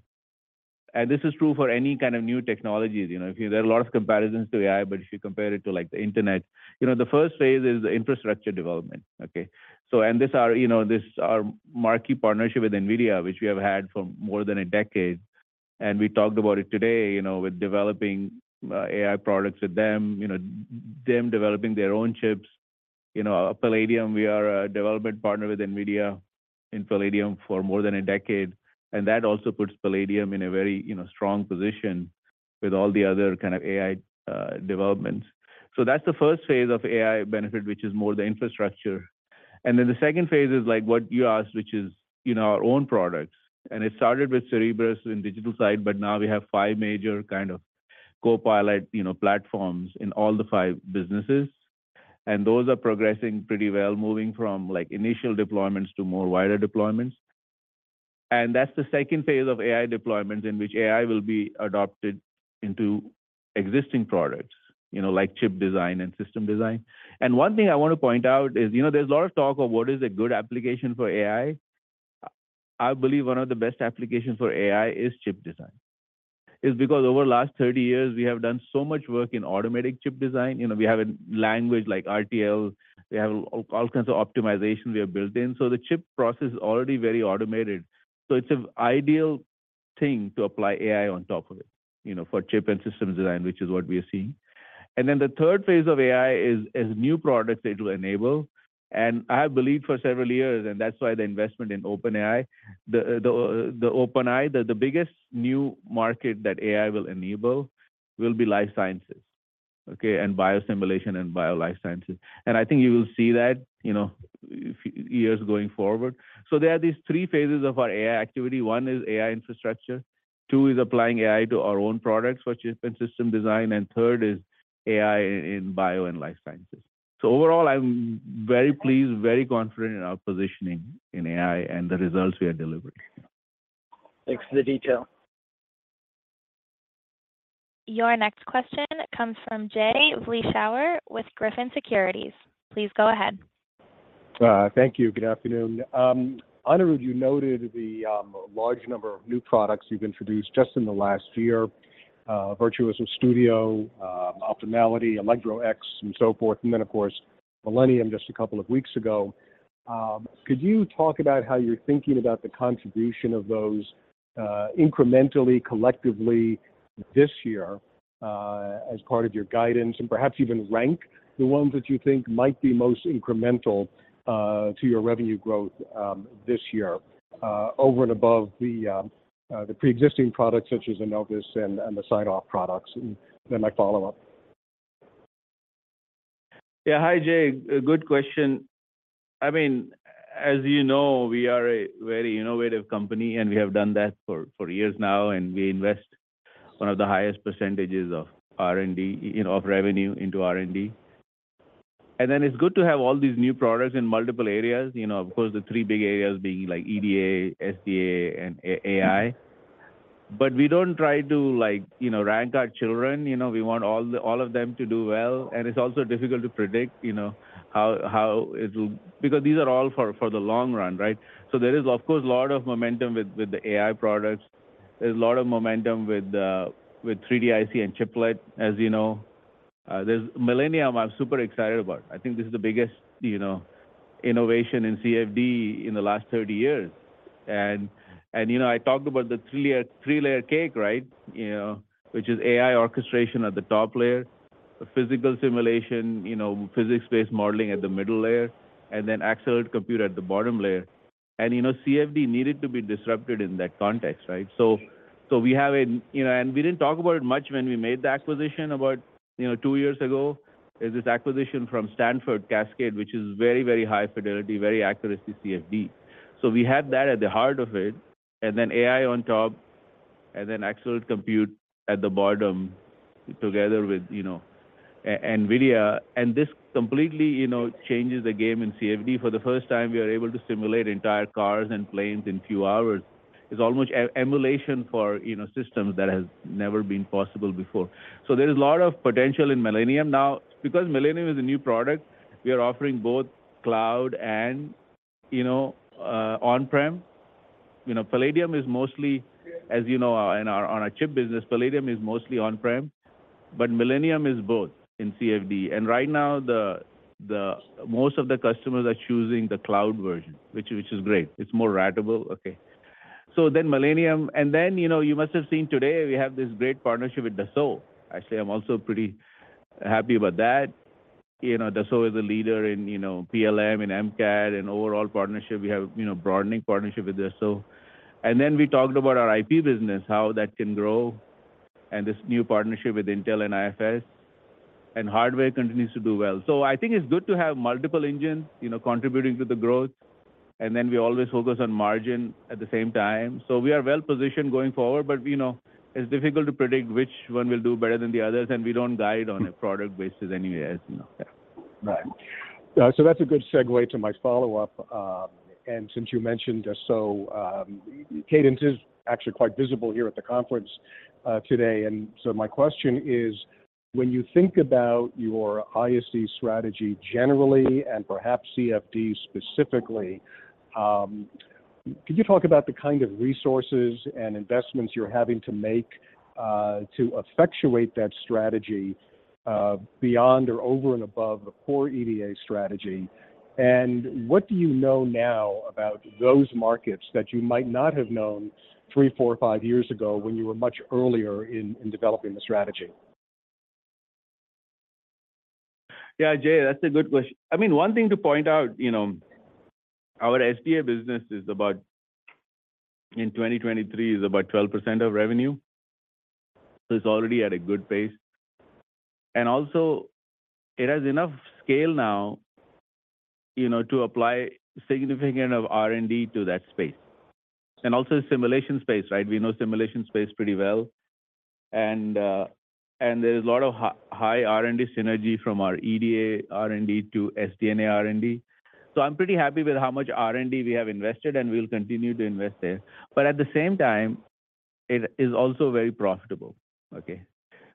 And this is true for any kind of new technologies. You know, if you there are a lot of comparisons to AI. But if you compare it to, like, the internet, you know, the first phase is the infrastructure development, okay? So and this are, you know, this our marquee partnership with NVIDIA, which we have had for more than a decade. And we talked about it today, you know, with developing AI products with them, you know, them developing their own chips. You know, Palladium, we are a development partner with NVIDIA in Palladium for more than a decade. And that also puts Palladium in a very, you know, strong position with all the other kind of AI developments. So that's the first phase of AI benefit, which is more the infrastructure. And then the second phase is, like, what you asked, which is, you know, our own products. And it started with Cerebrus in the digital side. But now, we have five major kind of Copilot, you know, platforms in all the five businesses. And those are progressing pretty well, moving from, like, initial deployments to more wider deployments. And that's the second phase of AI deployments in which AI will be adopted into existing products, you know, like chip design and system design. And one thing I want to point out is, you know, there's a lot of talk of what is a good application for AI. I believe one of the best applications for AI is chip design. It's because over the last 30 years, we have done so much work in automatic chip design. You know, we have a language like RTL. We have all kinds of optimization we have built in. So the chip process is already very automated. So it's an ideal thing to apply AI on top of it, you know, for chip and systems design, which is what we are seeing. And then the third phase of AI is new products that it will enable. And I have believed for several years, and that's why the investment in OpenAI, the biggest new market that AI will enable will be life sciences, okay, and biosimulation and bio life sciences. And I think you will see that, you know, in years going forward. So there are these three phases of our AI activity. One is AI infrastructure. Two is applying AI to our own products for chip and system design. And third is AI in bio and life sciences. So overall, I'm very pleased, very confident in our positioning in AI and the results we are delivering. Thanks for the detail. Your next question comes from Jay Vleeschhouwer with Griffin Securities. Please go ahead. Thank you. Good afternoon. Anirudh, you noted the large number of new products you've introduced just in the last year, Virtuoso Studio, Optimality, Allegro X, and so forth. And then, of course, Millennium just a couple of weeks ago. Could you talk about how you're thinking about the contribution of those, incrementally, collectively this year, as part of your guidance and perhaps even rank the ones that you think might be most incremental to your revenue growth this year, over and above the preexisting products such as the Novus and the sign-off products? And then I follow up. Yeah, hi, Jay. Good question. I mean, as you know, we are a very innovative company. And we have done that for, for years now. And we invest one of the highest percentages of R&D, you know, of revenue into R&D. And then it's good to have all these new products in multiple areas, you know, of course, the three big areas being, like, EDA, SDA, and AI. But we don't try to, like, you know, rank our children. You know, we want all the all of them to do well. And it's also difficult to predict, you know, how, how it'll because these are all for, for the long run, right? So there is, of course, a lot of momentum with, with the AI products. There's a lot of momentum with, with 3D-IC and chiplet, as you know. There's Millennium, I'm super excited about. I think this is the biggest, you know, innovation in CFD in the last 30 years. And you know, I talked about the three-layer cake, right, you know, which is AI orchestration at the top layer, physical simulation, you know, physics-based modeling at the middle layer, and then accelerated compute at the bottom layer. And, you know, CFD needed to be disrupted in that context, right? So we have a you know, and we didn't talk about it much when we made the acquisition about, you know, two years ago. It's this acquisition from Stanford Cascade, which is very, very high fidelity, very accurate CFD. So we had that at the heart of it. And then AI on top and then accelerated compute at the bottom together with, you know, an NVIDIA. And this completely, you know, changes the game in CFD. For the first time, we are able to simulate entire cars and planes in a few hours. It's almost emulation for, you know, systems that has never been possible before. So there is a lot of potential in Millennium now. Because Millennium is a new product, we are offering both cloud and, you know, on-prem. You know, Palladium is mostly, as you know, in our on our chip business, Palladium is mostly on-prem. But Millennium is both in CFD. And right now, the most of the customers are choosing the cloud version, which is great. It's more ratable, okay? So then Millennium and then, you know, you must have seen today, we have this great partnership with Dassault. Actually, I'm also pretty happy about that. You know, Dassault is a leader in, you know, PLM and MCAD and overall partnership. We have, you know, broadening partnership with Dassault. And then we talked about our IP business, how that can grow, and this new partnership with Intel and IFS. And hardware continues to do well. So I think it's good to have multiple engines, you know, contributing to the growth. And then we always focus on margin at the same time. So we are well positioned going forward. But, you know, it's difficult to predict which one will do better than the others. And we don't guide on a product basis anyway as you know, yeah. Right. So that's a good segue to my follow-up. And since you mentioned Dassault, Cadence is actually quite visible here at the conference today. And so my question is, when you think about your SDA strategy generally and perhaps CFD specifically, could you talk about the kind of resources and investments you're having to make to effectuate that strategy, beyond or over and above the core EDA strategy? And what do you know now about those markets that you might not have known three, four, five years ago when you were much earlier in developing the strategy? Yeah, Jay, that's a good question. I mean, one thing to point out, you know, our SDA business is about in 2023, is about 12% of revenue. So it's already at a good pace. And also, it has enough scale now, you know, to apply significant of R&D to that space and also simulation space, right? We know simulation space pretty well. And, and there is a lot of high R&D synergy from our EDA R&D to SDNA R&D. So I'm pretty happy with how much R&D we have invested. And we'll continue to invest there. But at the same time, it is also very profitable, okay,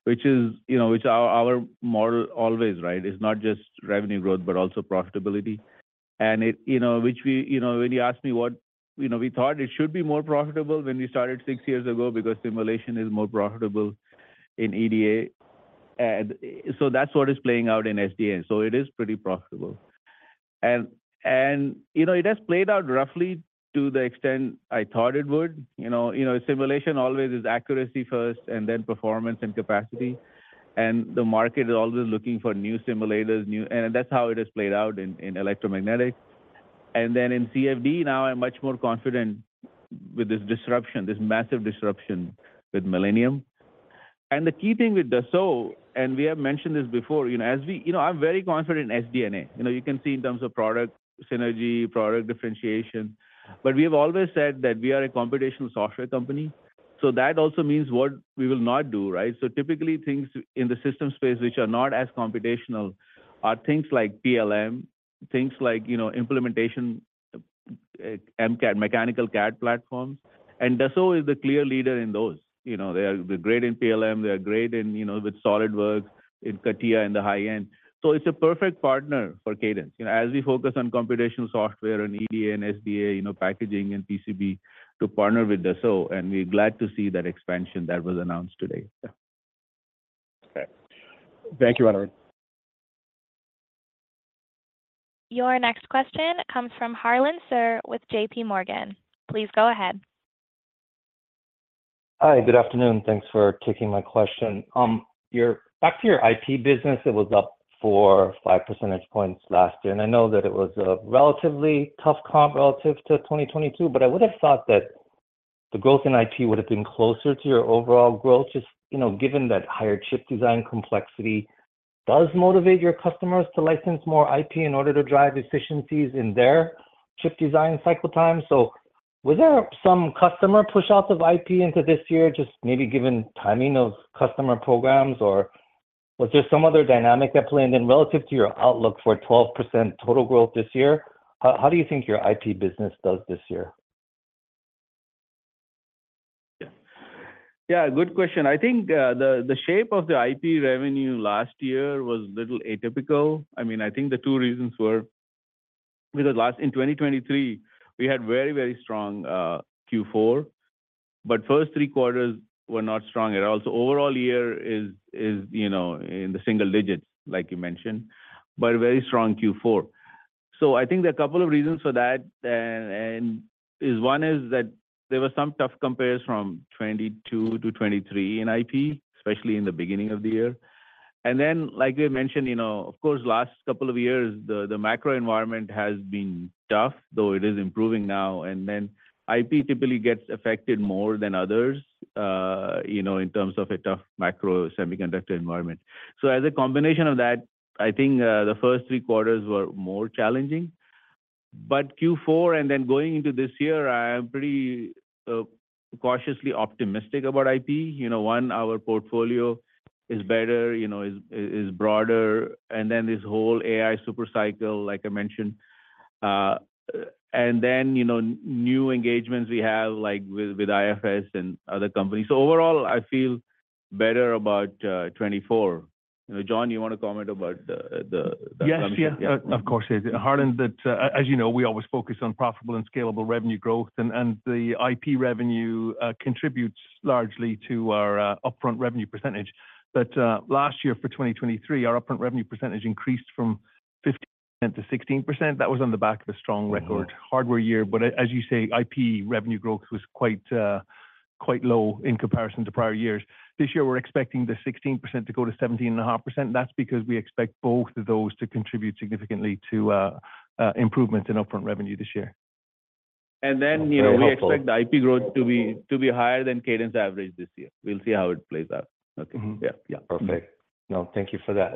which is, you know, which our, our model always, right, is not just revenue growth but also profitability. It, you know, which we, you know, when you ask me what, you know, we thought it should be more profitable when we started six years ago because simulation is more profitable in EDA. And so that's what is playing out in SDA. So it is pretty profitable. And you know, it has played out roughly to the extent I thought it would. You know, you know, simulation always is accuracy first and then performance and capacity. And the market is always looking for new simulators, new and that's how it has played out in electromagnetics. And then in CFD now, I'm much more confident with this disruption, this massive disruption with Millennium. And the key thing with Dassault and we have mentioned this before, you know, as we, you know, I'm very confident in SDNA. You know, you can see in terms of product synergy, product differentiation. But we have always said that we are a computational software company. So that also means what we will not do, right? So typically, things in the system space which are not as computational are things like PLM, things like, you know, implementation, MCAD, mechanical CAD platforms. And Dassault is the clear leader in those. You know, they are. They're great in PLM. They are great in, you know, with SolidWorks, in CATIA in the high end. So it's a perfect partner for Cadence, you know, as we focus on computational software and EDA and SDA, you know, packaging and PCB to partner with Dassault. And we're glad to see that expansion that was announced today, yeah. Okay. Thank you, Anirudh. Your next question comes from Harlan Sur with JPMorgan. Please go ahead. Hi. Good afternoon. Thanks for taking my question. You're back to your IP business, it was up four or five percentage points last year. And I know that it was a relatively tough comp relative to 2022. But I would have thought that the growth in IP would have been closer to your overall growth just, you know, given that higher chip design complexity does motivate your customers to license more IP in order to drive efficiencies in their chip design cycle time. So was there some customer push-off of IP into this year just maybe given timing of customer programs? Or was there some other dynamic at play? And then relative to your outlook for 12% total growth this year, how do you think your IP business does this year? Yeah. Yeah, good question. I think, the shape of the IP revenue last year was a little atypical. I mean, I think the two reasons were because last in 2023, we had very, very strong Q4. But first three quarters were not strong at all. So overall year is, you know, in the single digits, like you mentioned, but very strong Q4. So I think there are a couple of reasons for that. And one is that there were some tough compares from 2022 to 2023 in IP, especially in the beginning of the year. And then, like we had mentioned, you know, of course, last couple of years, the macro environment has been tough, though it is improving now. And then IP typically gets affected more than others, you know, in terms of a tough macro semiconductor environment. So as a combination of that, I think the first three quarters were more challenging. But Q4 and then going into this year, I am pretty cautiously optimistic about IP. You know, one, our portfolio is better, you know, is broader. And then this whole AI Supercycle, like I mentioned, and then, you know, new engagements we have, like with IFS and other companies. So overall, I feel better about 2024. You know, John, you want to comment about the comp? Yes, yeah. Of course, it is. Harlan, that, as you know, we always focus on profitable and scalable revenue growth. And the IP revenue contributes largely to our upfront revenue percentage. But last year for 2023, our upfront revenue percentage increased from 15%-16%. That was on the back of a strong record hardware year. But as you say, IP revenue growth was quite, quite low in comparison to prior years. This year, we're expecting the 16% to go to 17.5%. That's because we expect both of those to contribute significantly to improvements in upfront revenue this year. Then, you know, we expect the IP growth to be to be higher than Cadence average this year. We'll see how it plays out, okay? Yeah, yeah. Perfect. No, thank you for that.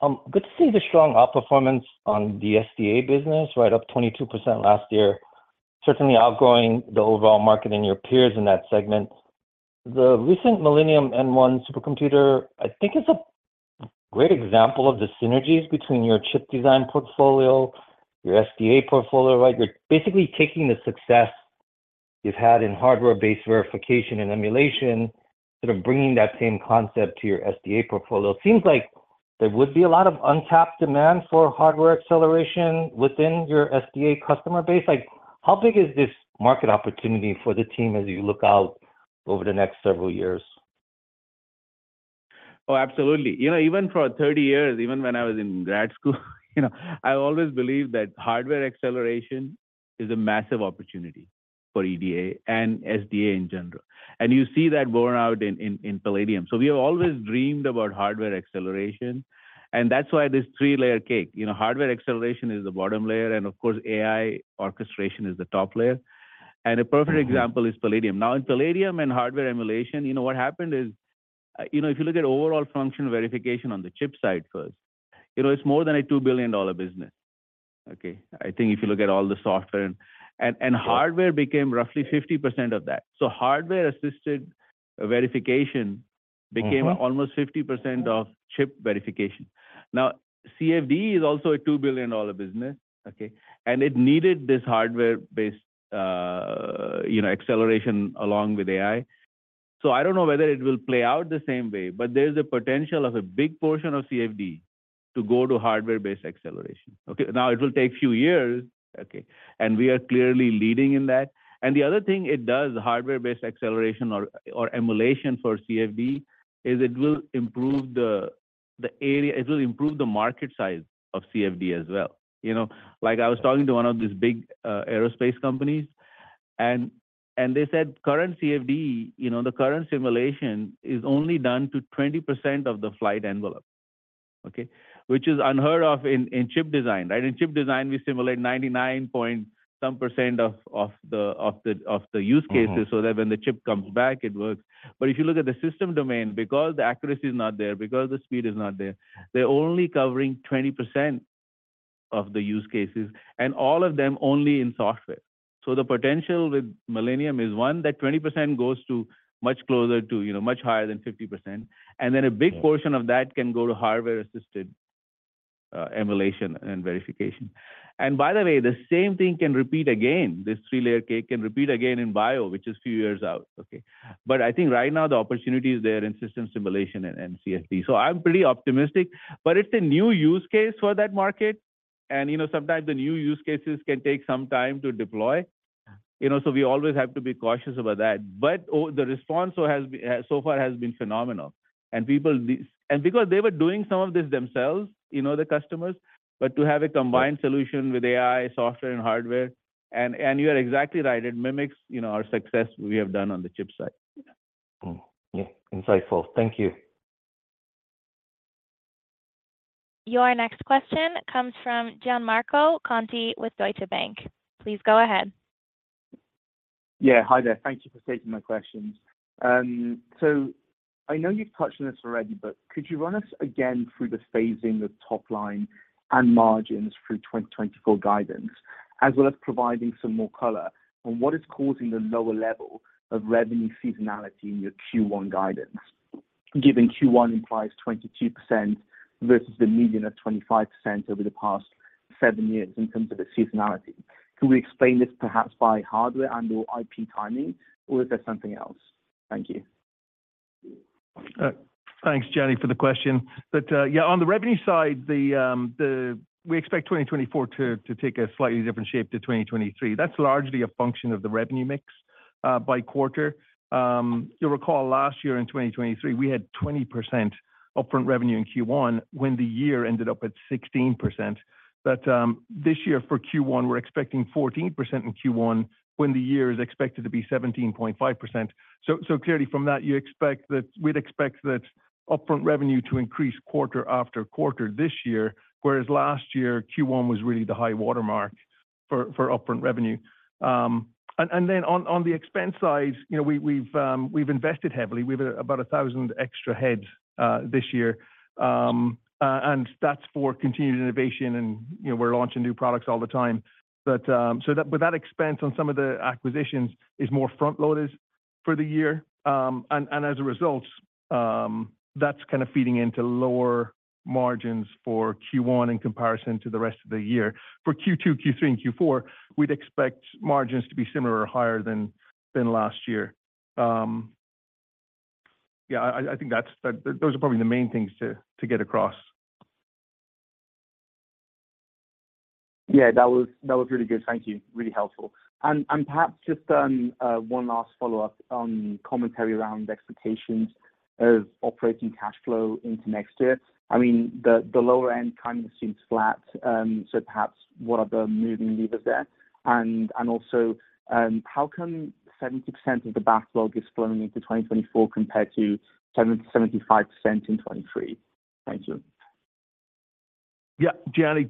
And then, good to see the strong outperformance on the SDA business, right, up 22% last year, certainly outpacing the overall market and your peers in that segment. The recent Millennium M1 supercomputer, I think, is a great example of the synergies between your chip design portfolio, your SDA portfolio, right? You're basically taking the success you've had in hardware-based verification and emulation, sort of bringing that same concept to your SDA portfolio. Seems like there would be a lot of untapped demand for hardware acceleration within your SDA customer base. Like, how big is this market opportunity for the team as you look out over the next several years? Oh, absolutely. You know, even for 30 years, even when I was in grad school, you know, I always believed that hardware acceleration is a massive opportunity for EDA and SDA in general. And you see that borne out in Palladium. So we have always dreamed about hardware acceleration. And that's why this three-layer cake, you know, hardware acceleration is the bottom layer. And of course, AI orchestration is the top layer. And a perfect example is Palladium. Now, in Palladium and hardware emulation, you know, what happened is, you know, if you look at overall function verification on the chip side first, you know, it's more than a $2 billion business, okay? I think if you look at all the software and hardware became roughly 50% of that. So hardware-assisted verification became almost 50% of chip verification. Now, CFD is also a $2 billion business, okay? And it needed this hardware-based, you know, acceleration along with AI. So I don't know whether it will play out the same way. But there's the potential of a big portion of CFD to go to hardware-based acceleration, okay? Now, it will take a few years, okay? And we are clearly leading in that. And the other thing it does, hardware-based acceleration or, or emulation for CFD, is it will improve the, the area it will improve the market size of CFD as well, you know? Like, I was talking to one of these big, aerospace companies. And, and they said, "Current CFD, you know, the current simulation is only done to 20% of the flight envelope," okay, "which is unheard of in, in chip design, right? In chip design, we simulate 99-point-some % of the use cases so that when the chip comes back, it works. But if you look at the system domain, because the accuracy is not there, because the speed is not there, they're only covering 20% of the use cases. And all of them only in software. So the potential with Millennium is, one, that 20% goes to much closer to, you know, much higher than 50%. And then a big portion of that can go to hardware-assisted, emulation and verification. And by the way, the same thing can repeat again. This three-layer cake can repeat again in bio, which is a few years out, okay? But I think right now, the opportunity is there in system simulation and CFD. So I'm pretty optimistic. But it's a new use case for that market. You know, sometimes the new use cases can take some time to deploy, you know? So we always have to be cautious about that. But oh, the response so far has been so phenomenal. And people see this and because they were doing some of this themselves, you know, the customers. But to have a combined solution with AI, software, and hardware, and you are exactly right. It mimics, you know, our success we have done on the chip side, yeah. Yeah. Insightful. Thank you. Your next question comes from Gianmarco Conti with Deutsche Bank. Please go ahead. Yeah. Hi there. Thank you for taking my questions. So I know you've touched on this already. But could you run us again through the phasing of top line and margins through 2024 guidance as well as providing some more color on what is causing the lower level of revenue seasonality in your Q1 guidance, given Q1 implies 22% versus the median of 25% over the past seven years in terms of its seasonality? Can we explain this, perhaps, by hardware and/or IP timing? Or is there something else? Thank you. Thanks, Gian, for the question. But, yeah, on the revenue side, we expect 2024 to take a slightly different shape to 2023. That's largely a function of the revenue mix, by quarter. You'll recall, last year in 2023, we had 20% upfront revenue in Q1 when the year ended up at 16%. But, this year, for Q1, we're expecting 14% in Q1 when the year is expected to be 17.5%. So clearly, from that, you expect that we'd expect that upfront revenue to increase quarter after quarter this year, whereas last year, Q1 was really the high watermark for upfront revenue. And then on the expense side, you know, we've invested heavily. We have about 1,000 extra heads, this year. And that's for continued innovation. And, you know, we're launching new products all the time. But, so that expense on some of the acquisitions is more front-loaded for the year. And as a result, that's kind of feeding into lower margins for Q1 in comparison to the rest of the year. For Q2, Q3, and Q4, we'd expect margins to be similar or higher than last year. Yeah, I think that's those are probably the main things to get across. Yeah, that was really good. Thank you. Really helpful. And perhaps just one last follow-up on commentary around expectations of operating cash flow into next year. I mean, the lower end kind of seems flat. So perhaps, what are the moving levers there? And also, how come 70% of the backlog is flowing into 2024 compared to 70%-75% in 2023? Thank you. Yeah, Gian,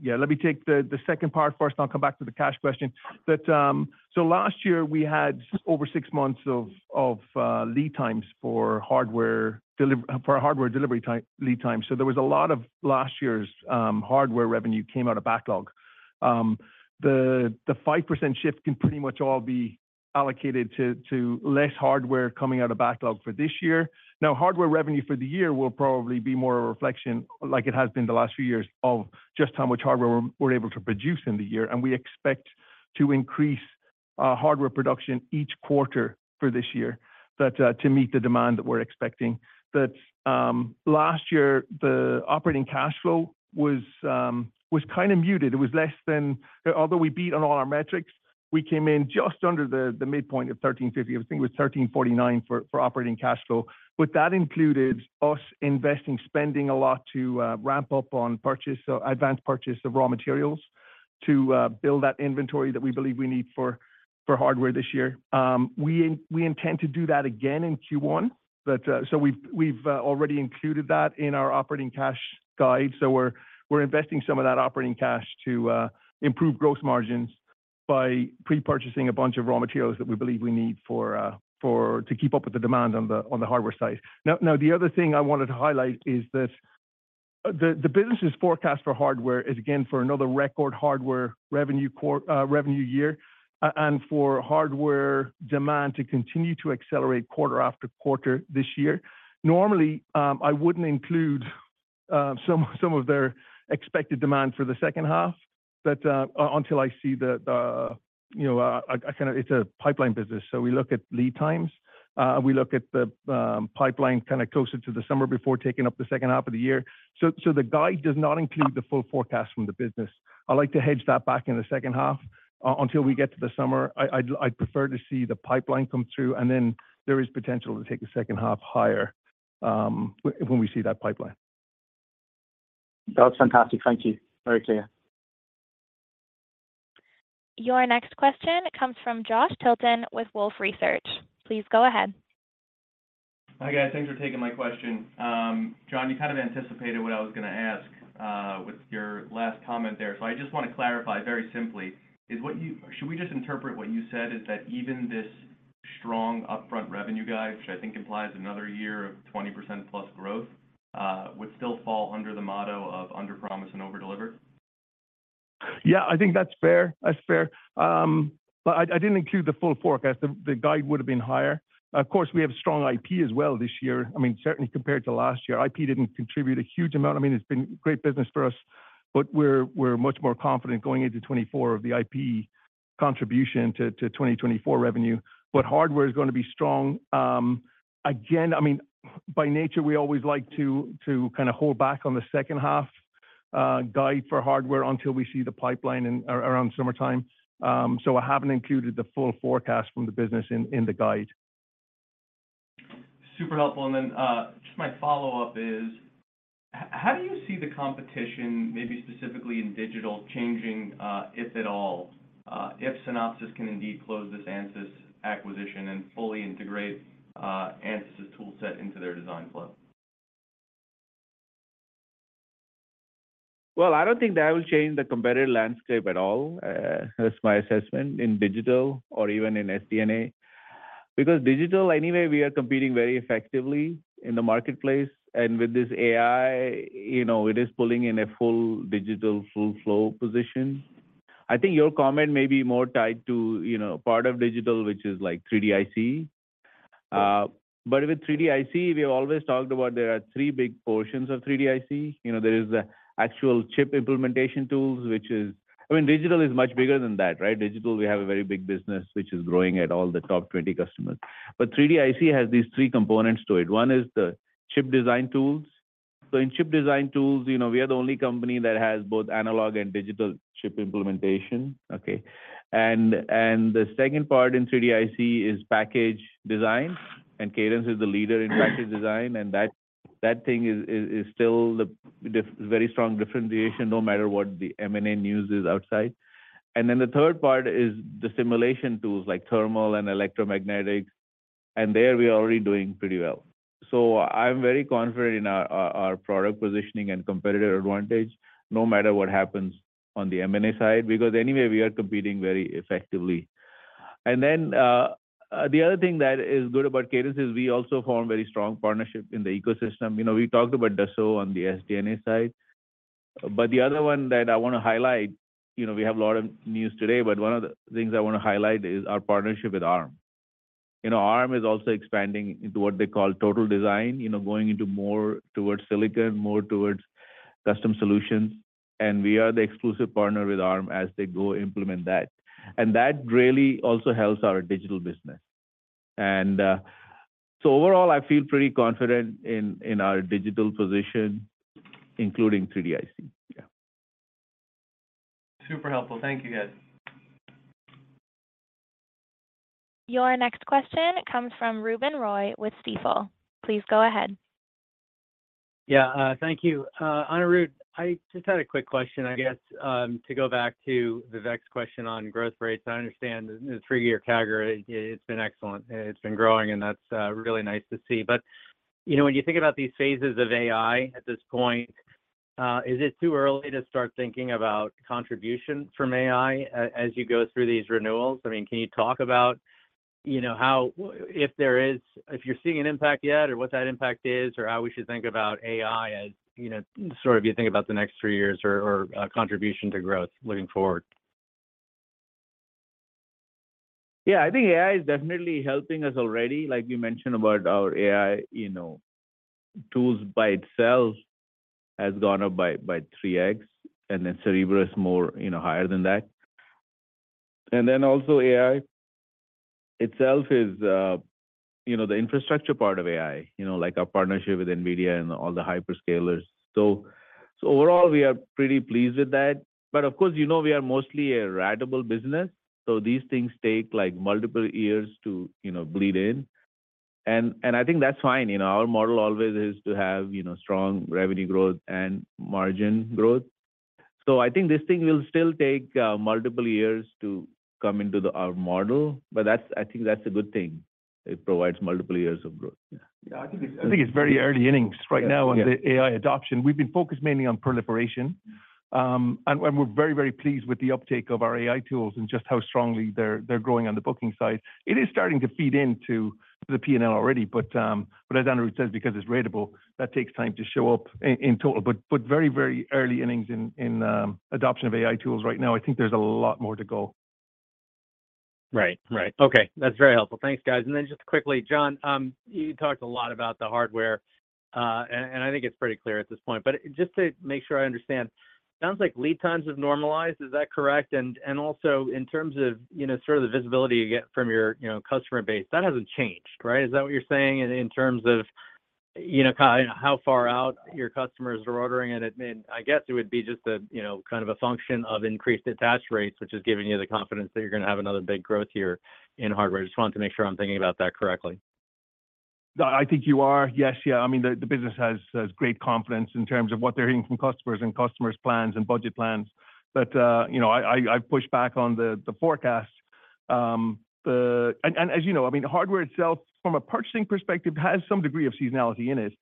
yeah, let me take the second part first. And I'll come back to the cash question. So last year, we had over six months of lead times for hardware delivery time lead times. So there was a lot of last year's hardware revenue came out of backlog. The 5% shift can pretty much all be allocated to less hardware coming out of backlog for this year. Now, hardware revenue for the year will probably be more a reflection, like it has been the last few years, of just how much hardware we're able to produce in the year. And we expect to increase hardware production each quarter for this year to meet the demand that we're expecting. Last year, the operating cash flow was kind of muted. It was less than, although we beat on all our metrics, we came in just under the midpoint of $1,350. I think it was $1,349 for operating cash flow. But that included us investing, spending a lot to ramp up on purchases of advanced raw materials to build that inventory that we believe we need for hardware this year. We intend to do that again in Q1. But so we've already included that in our operating cash guide. So we're investing some of that operating cash to improve gross margins by pre-purchasing a bunch of raw materials that we believe we need to keep up with the demand on the hardware side. Now, the other thing I wanted to highlight is that the business's forecast for hardware is, again, for another record hardware revenue quarter and revenue year and for hardware demand to continue to accelerate quarter after quarter this year. Normally, I wouldn't include some of their expected demand for the second half. But until I see the you know, I kind of it's a pipeline business. So we look at lead times. We look at the pipeline kind of closer to the summer before taking up the second half of the year. So the guide does not include the full forecast from the business. I like to hedge that back in the second half, until we get to the summer. I'd prefer to see the pipeline come through. Then there is potential to take a second half higher, when we see that pipeline. That was fantastic. Thank you. Very clear. Your next question comes from Josh Tilton with Wolfe Research. Please go ahead. Hi guys. Thanks for taking my question. John, you kind of anticipated what I was gonna ask, with your last comment there. So I just wanna clarify very simply. Should we just interpret what you said as that even this strong upfront revenue guide, which I think implies another year of 20%+ growth, would still fall under the motto of under-promise and over-deliver? Yeah, I think that's fair. That's fair. But I didn't include the full forecast. The guide would have been higher. Of course, we have strong IP as well this year. I mean, certainly compared to last year. IP didn't contribute a huge amount. I mean, it's been great business for us. But we're much more confident going into 2024 of the IP contribution to 2024 revenue. But hardware is gonna be strong. Again, I mean, by nature, we always like to kind of hold back on the second half guide for hardware until we see the pipeline in around summertime. So I haven't included the full forecast from the business in the guide. Super helpful. And then, just my follow-up is, how do you see the competition, maybe specifically in digital, changing, if at all, if Synopsys can indeed close this Ansys acquisition and fully integrate Ansys's toolset into their design flow? Well, I don't think that will change the competitive landscape at all. That's my assessment in digital or even in SDNA. Because digital, anyway, we are competing very effectively in the marketplace. And with this AI, you know, it is pulling in a full digital full-flow position. I think your comment may be more tied to, you know, part of digital, which is like 3D-IC. But with 3D-IC, we have always talked about there are three big portions of 3D-IC. You know, there is the actual chip implementation tools, which is, I mean, digital is much bigger than that, right? Digital, we have a very big business, which is growing at all the top 20 customers. But 3D-IC has these three components to it. One is the chip design tools. So in chip design tools, you know, we are the only company that has both analog and digital chip implementation, okay? And the second part in 3D-IC is package design. And Cadence is the leader in package design. And that thing is definitely very strong differentiation no matter what the M&A news is outside. And then the third part is the simulation tools like thermal and electromagnetic. And there, we are already doing pretty well. So I'm very confident in our product positioning and competitive advantage no matter what happens on the M&A side. Because anyway, we are competing very effectively. And then, the other thing that is good about Cadence is we also formed very strong partnership in the ecosystem. You know, we talked about Dassault on the SDNA side. But the other one that I wanna highlight, you know, we have a lot of news today. But one of the things I wanna highlight is our partnership with Arm. You know, Arm is also expanding into what they call Total Design, you know, going into more towards silicon, more towards custom solutions. And we are the exclusive partner with Arm as they go implement that. And that really also helps our digital business. And, so overall, I feel pretty confident in our digital position, including 3D-IC, yeah. Super helpful. Thank you, guys. Your next question comes from Ruben Roy with Stifel. Please go ahead. Yeah. Thank you. Anirudh, I just had a quick question, I guess, to go back to the Vivek question on growth rates. I understand the three-year CAGR. It's been excellent. It's been growing. And that's really nice to see. But, you know, when you think about these phases of AI at this point, is it too early to start thinking about contribution from AI as you go through these renewals? I mean, can you talk about, you know, how if there is if you're seeing an impact yet or what that impact is or how we should think about AI as, you know, sort of you think about the next three years or contribution to growth looking forward? Yeah, I think AI is definitely helping us already. Like you mentioned about our AI, you know, tools by itself has gone up by, by 3x. And then Cerebrus is more, you know, higher than that. And then also, AI itself is, you know, the infrastructure part of AI, you know, like our partnership with NVIDIA and all the hyperscalers. So, so overall, we are pretty pleased with that. But of course, you know, we are mostly a ratable business. So these things take, like, multiple years to, you know, bleed in. And, and I think that's fine. You know, our model always is to have, you know, strong revenue growth and margin growth. So I think this thing will still take, multiple years to come into the our model. But that's I think that's a good thing. It provides multiple years of growth, yeah. Yeah, I think it's very early innings right now on the AI adoption. We've been focused mainly on proliferation, and we're very, very pleased with the uptake of our AI tools and just how strongly they're growing on the booking side. It is starting to feed into the P&L already. But as Anirudh says, because it's ratable, that takes time to show up in total. But very, very early innings in adoption of AI tools right now. I think there's a lot more to go. Right. Right. Okay. That's very helpful. Thanks, guys. And then just quickly, John, you talked a lot about the hardware. And I think it's pretty clear at this point. But just to make sure I understand, sounds like lead times have normalized. Is that correct? And also, in terms of, you know, sort of the visibility you get from your, you know, customer base, that hasn't changed, right? Is that what you're saying in terms of, you know, kind of how far out your customers are ordering? And, I guess, it would be just a, you know, kind of a function of increased attach rates, which is giving you the confidence that you're gonna have another big growth year in hardware. Just wanted to make sure I'm thinking about that correctly. No, I think you are. Yes, yeah. I mean, the business has great confidence in terms of what they're hearing from customers and customers' plans and budget plans. But, you know, I've pushed back on the forecast. And as you know, I mean, hardware itself, from a purchasing perspective, has some degree of seasonality in it.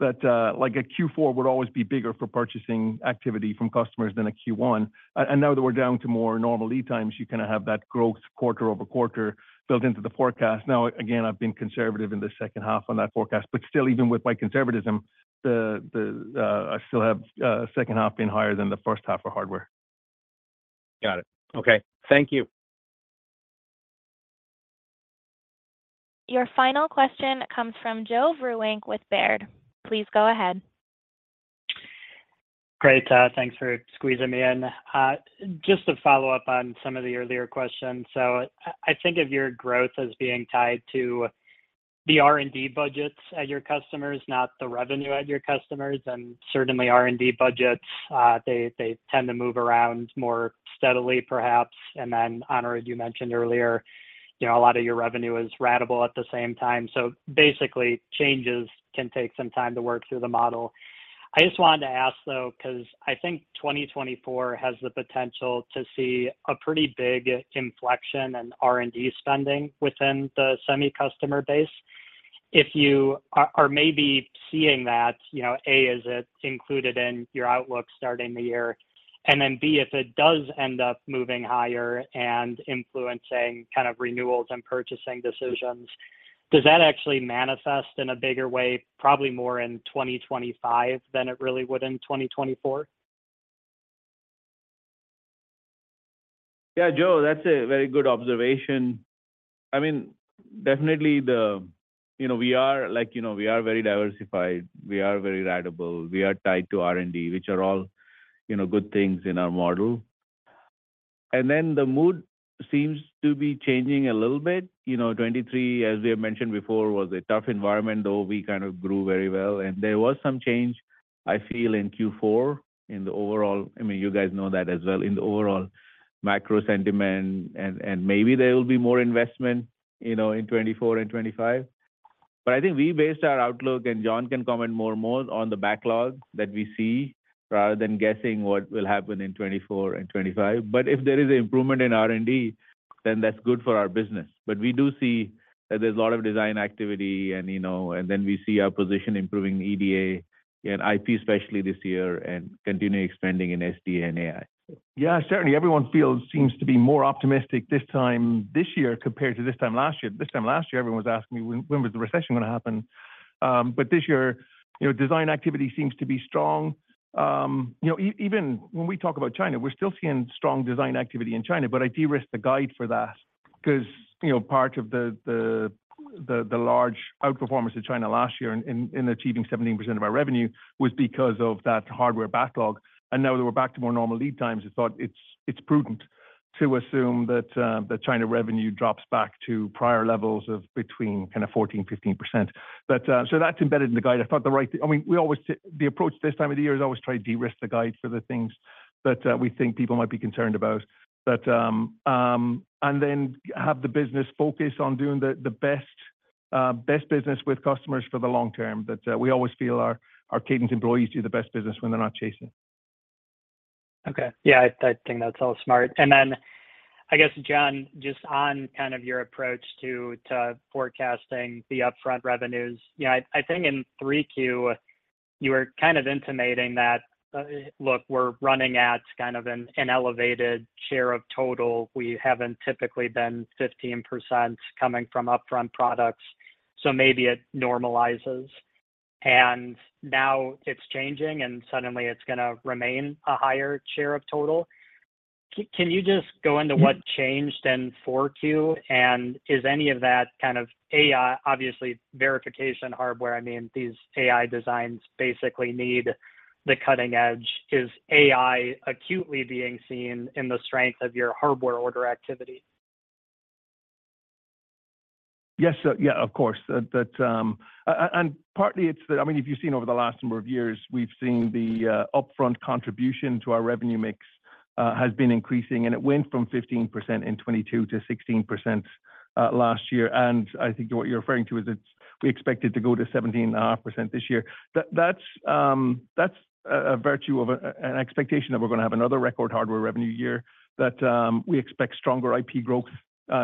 That, like a Q4 would always be bigger for purchasing activity from customers than a Q1. And now that we're down to more normal lead times, you kind of have that growth quarter-over-quarter built into the forecast. Now, again, I've been conservative in the second half on that forecast. But still, even with my conservatism, I still have the second half being higher than the first half for hardware. Got it. Okay. Thank you. Your final question comes from Joe Vruwink with Baird. Please go ahead. Great. Thanks for squeezing me in. Just to follow up on some of the earlier questions. So I, I think of your growth as being tied to the R&D budgets at your customers, not the revenue at your customers. And certainly, R&D budgets, they, they tend to move around more steadily, perhaps. And then, Anirudh, you mentioned earlier, you know, a lot of your revenue is ratable at the same time. So basically, changes can take some time to work through the model. I just wanted to ask, though, 'cause I think 2024 has the potential to see a pretty big inflection in R&D spending within the semi-customer base. If you are, are maybe seeing that, you know, A, is it included in your outlook starting the year? And then B, if it does end up moving higher and influencing kind of renewals and purchasing decisions, does that actually manifest in a bigger way, probably more in 2025 than it really would in 2024? Yeah, Joe, that's a very good observation. I mean, definitely, the you know, we are like, you know, we are very diversified. We are very ratable. We are tied to R&D, which are all, you know, good things in our model. And then the mood seems to be changing a little bit. You know, 2023, as we have mentioned before, was a tough environment, though we kind of grew very well. And there was some change, I feel, in Q4 in the overall I mean, you guys know that as well, in the overall macro sentiment. And, and maybe there will be more investment, you know, in 2024 and 2025. But I think we based our outlook and John can comment more and more on the backlog that we see rather than guessing what will happen in 2024 and 2025. But if there is an improvement in R&D, then that's good for our business. But we do see that there's a lot of design activity. And, you know, and then we see our position improving EDA and IP, especially this year, and continuing expanding in SDNA and AI. Yeah, certainly. Everyone seems to be more optimistic this time this year compared to this time last year. This time last year, everyone was asking me, "When, when was the recession gonna happen?" but this year, you know, design activity seems to be strong. You know, even when we talk about China, we're still seeing strong design activity in China. But I de-risked the guide for that 'cause, you know, part of the large outperformance of China last year in achieving 17% of our revenue was because of that hardware backlog. And now that we're back to more normal lead times, I thought it's prudent to assume that China revenue drops back to prior levels of between kind of 14%-15%. But, so that's embedded in the guide. I thought the right. I mean, we always take the approach this time of the year is always try to de-risk the guide for the things that, we think people might be concerned about. That, and then have the business focus on doing the, the best, best business with customers for the long term. That, we always feel our, our Cadence employees do the best business when they're not chasing. Okay. Yeah, I think that's all smart. And then I guess, John, just on kind of your approach to forecasting the upfront revenues, you know, I think in 3Q, you were kind of intimating that, "Look, we're running at kind of an elevated share of total. We haven't typically been 15% coming from upfront products. So maybe it normalizes. And now it's changing. And suddenly, it's gonna remain a higher share of total." Can you just go into what changed in 4Q? And is any of that kind of AI obviously, verification hardware. I mean, these AI designs basically need the cutting edge. Is AI acutely being seen in the strength of your hardware order activity? Yes. Yeah, of course. And partly, it's the—I mean, if you've seen over the last number of years, we've seen the upfront contribution to our revenue mix has been increasing. And it went from 15% in 2022 to 16% last year. And I think what you're referring to is it's we expected to go to 17.5% this year. That's a virtue of an expectation that we're gonna have another record hardware revenue year. We expect stronger IP growth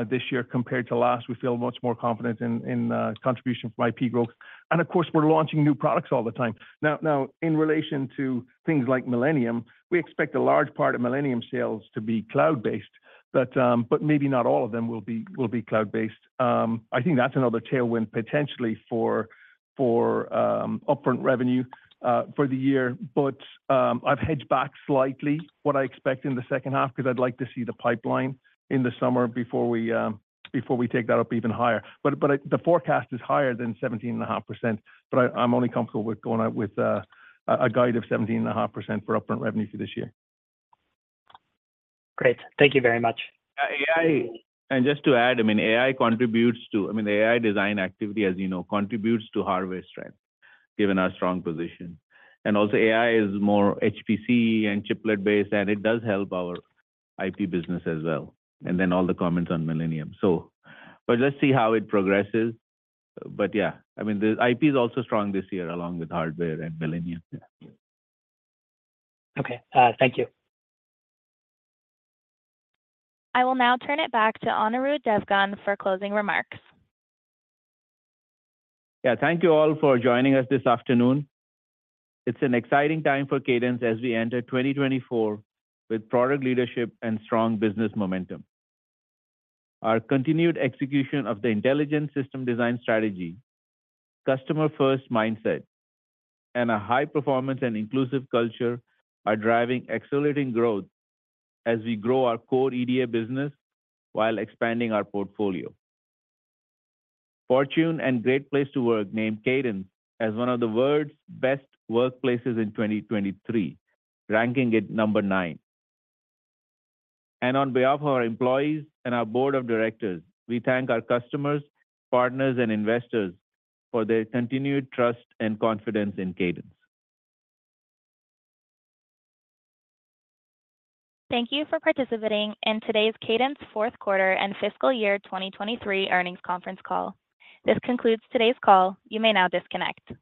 this year compared to last. We feel much more confident in contribution from IP growth. And of course, we're launching new products all the time. Now, in relation to things like Millennium, we expect a large part of Millennium sales to be cloud-based. But maybe not all of them will be cloud-based. I think that's another tailwind potentially for upfront revenue for the year. But, I've hedged back slightly what I expect in the second half 'cause I'd like to see the pipeline in the summer before we take that up even higher. But the forecast is higher than 17.5%. But I'm only comfortable with going out with a guide of 17.5% for upfront revenue for this year. Great. Thank you very much. AI, and just to add, I mean, AI contributes to, I mean, the AI design activity, as you know, contributes to hardware strength given our strong position. And also, AI is more HPC and chiplet-based. And it does help our IP business as well. And then all the comments on Millennium. So but let's see how it progresses. But yeah, I mean, the IP is also strong this year along with hardware and Millennium, yeah. Okay. Thank you. I will now turn it back to Anirudh Devgan for closing remarks. Yeah, thank you all for joining us this afternoon. It's an exciting time for Cadence as we enter 2024 with product leadership and strong business momentum. Our continued execution of the intelligent system design strategy, customer-first mindset, and a high-performance and inclusive culture are driving accelerating growth as we grow our core EDA business while expanding our portfolio. Fortune and Great Place to Work named Cadence as one of the world's best workplaces in 2023, ranking it number nine. On behalf of our employees and our board of directors, we thank our customers, partners, and investors for their continued trust and confidence in Cadence. Thank you for participating in today's Cadence Q4 and fiscal year 2023 earnings conference call. This concludes today's call. You may now disconnect.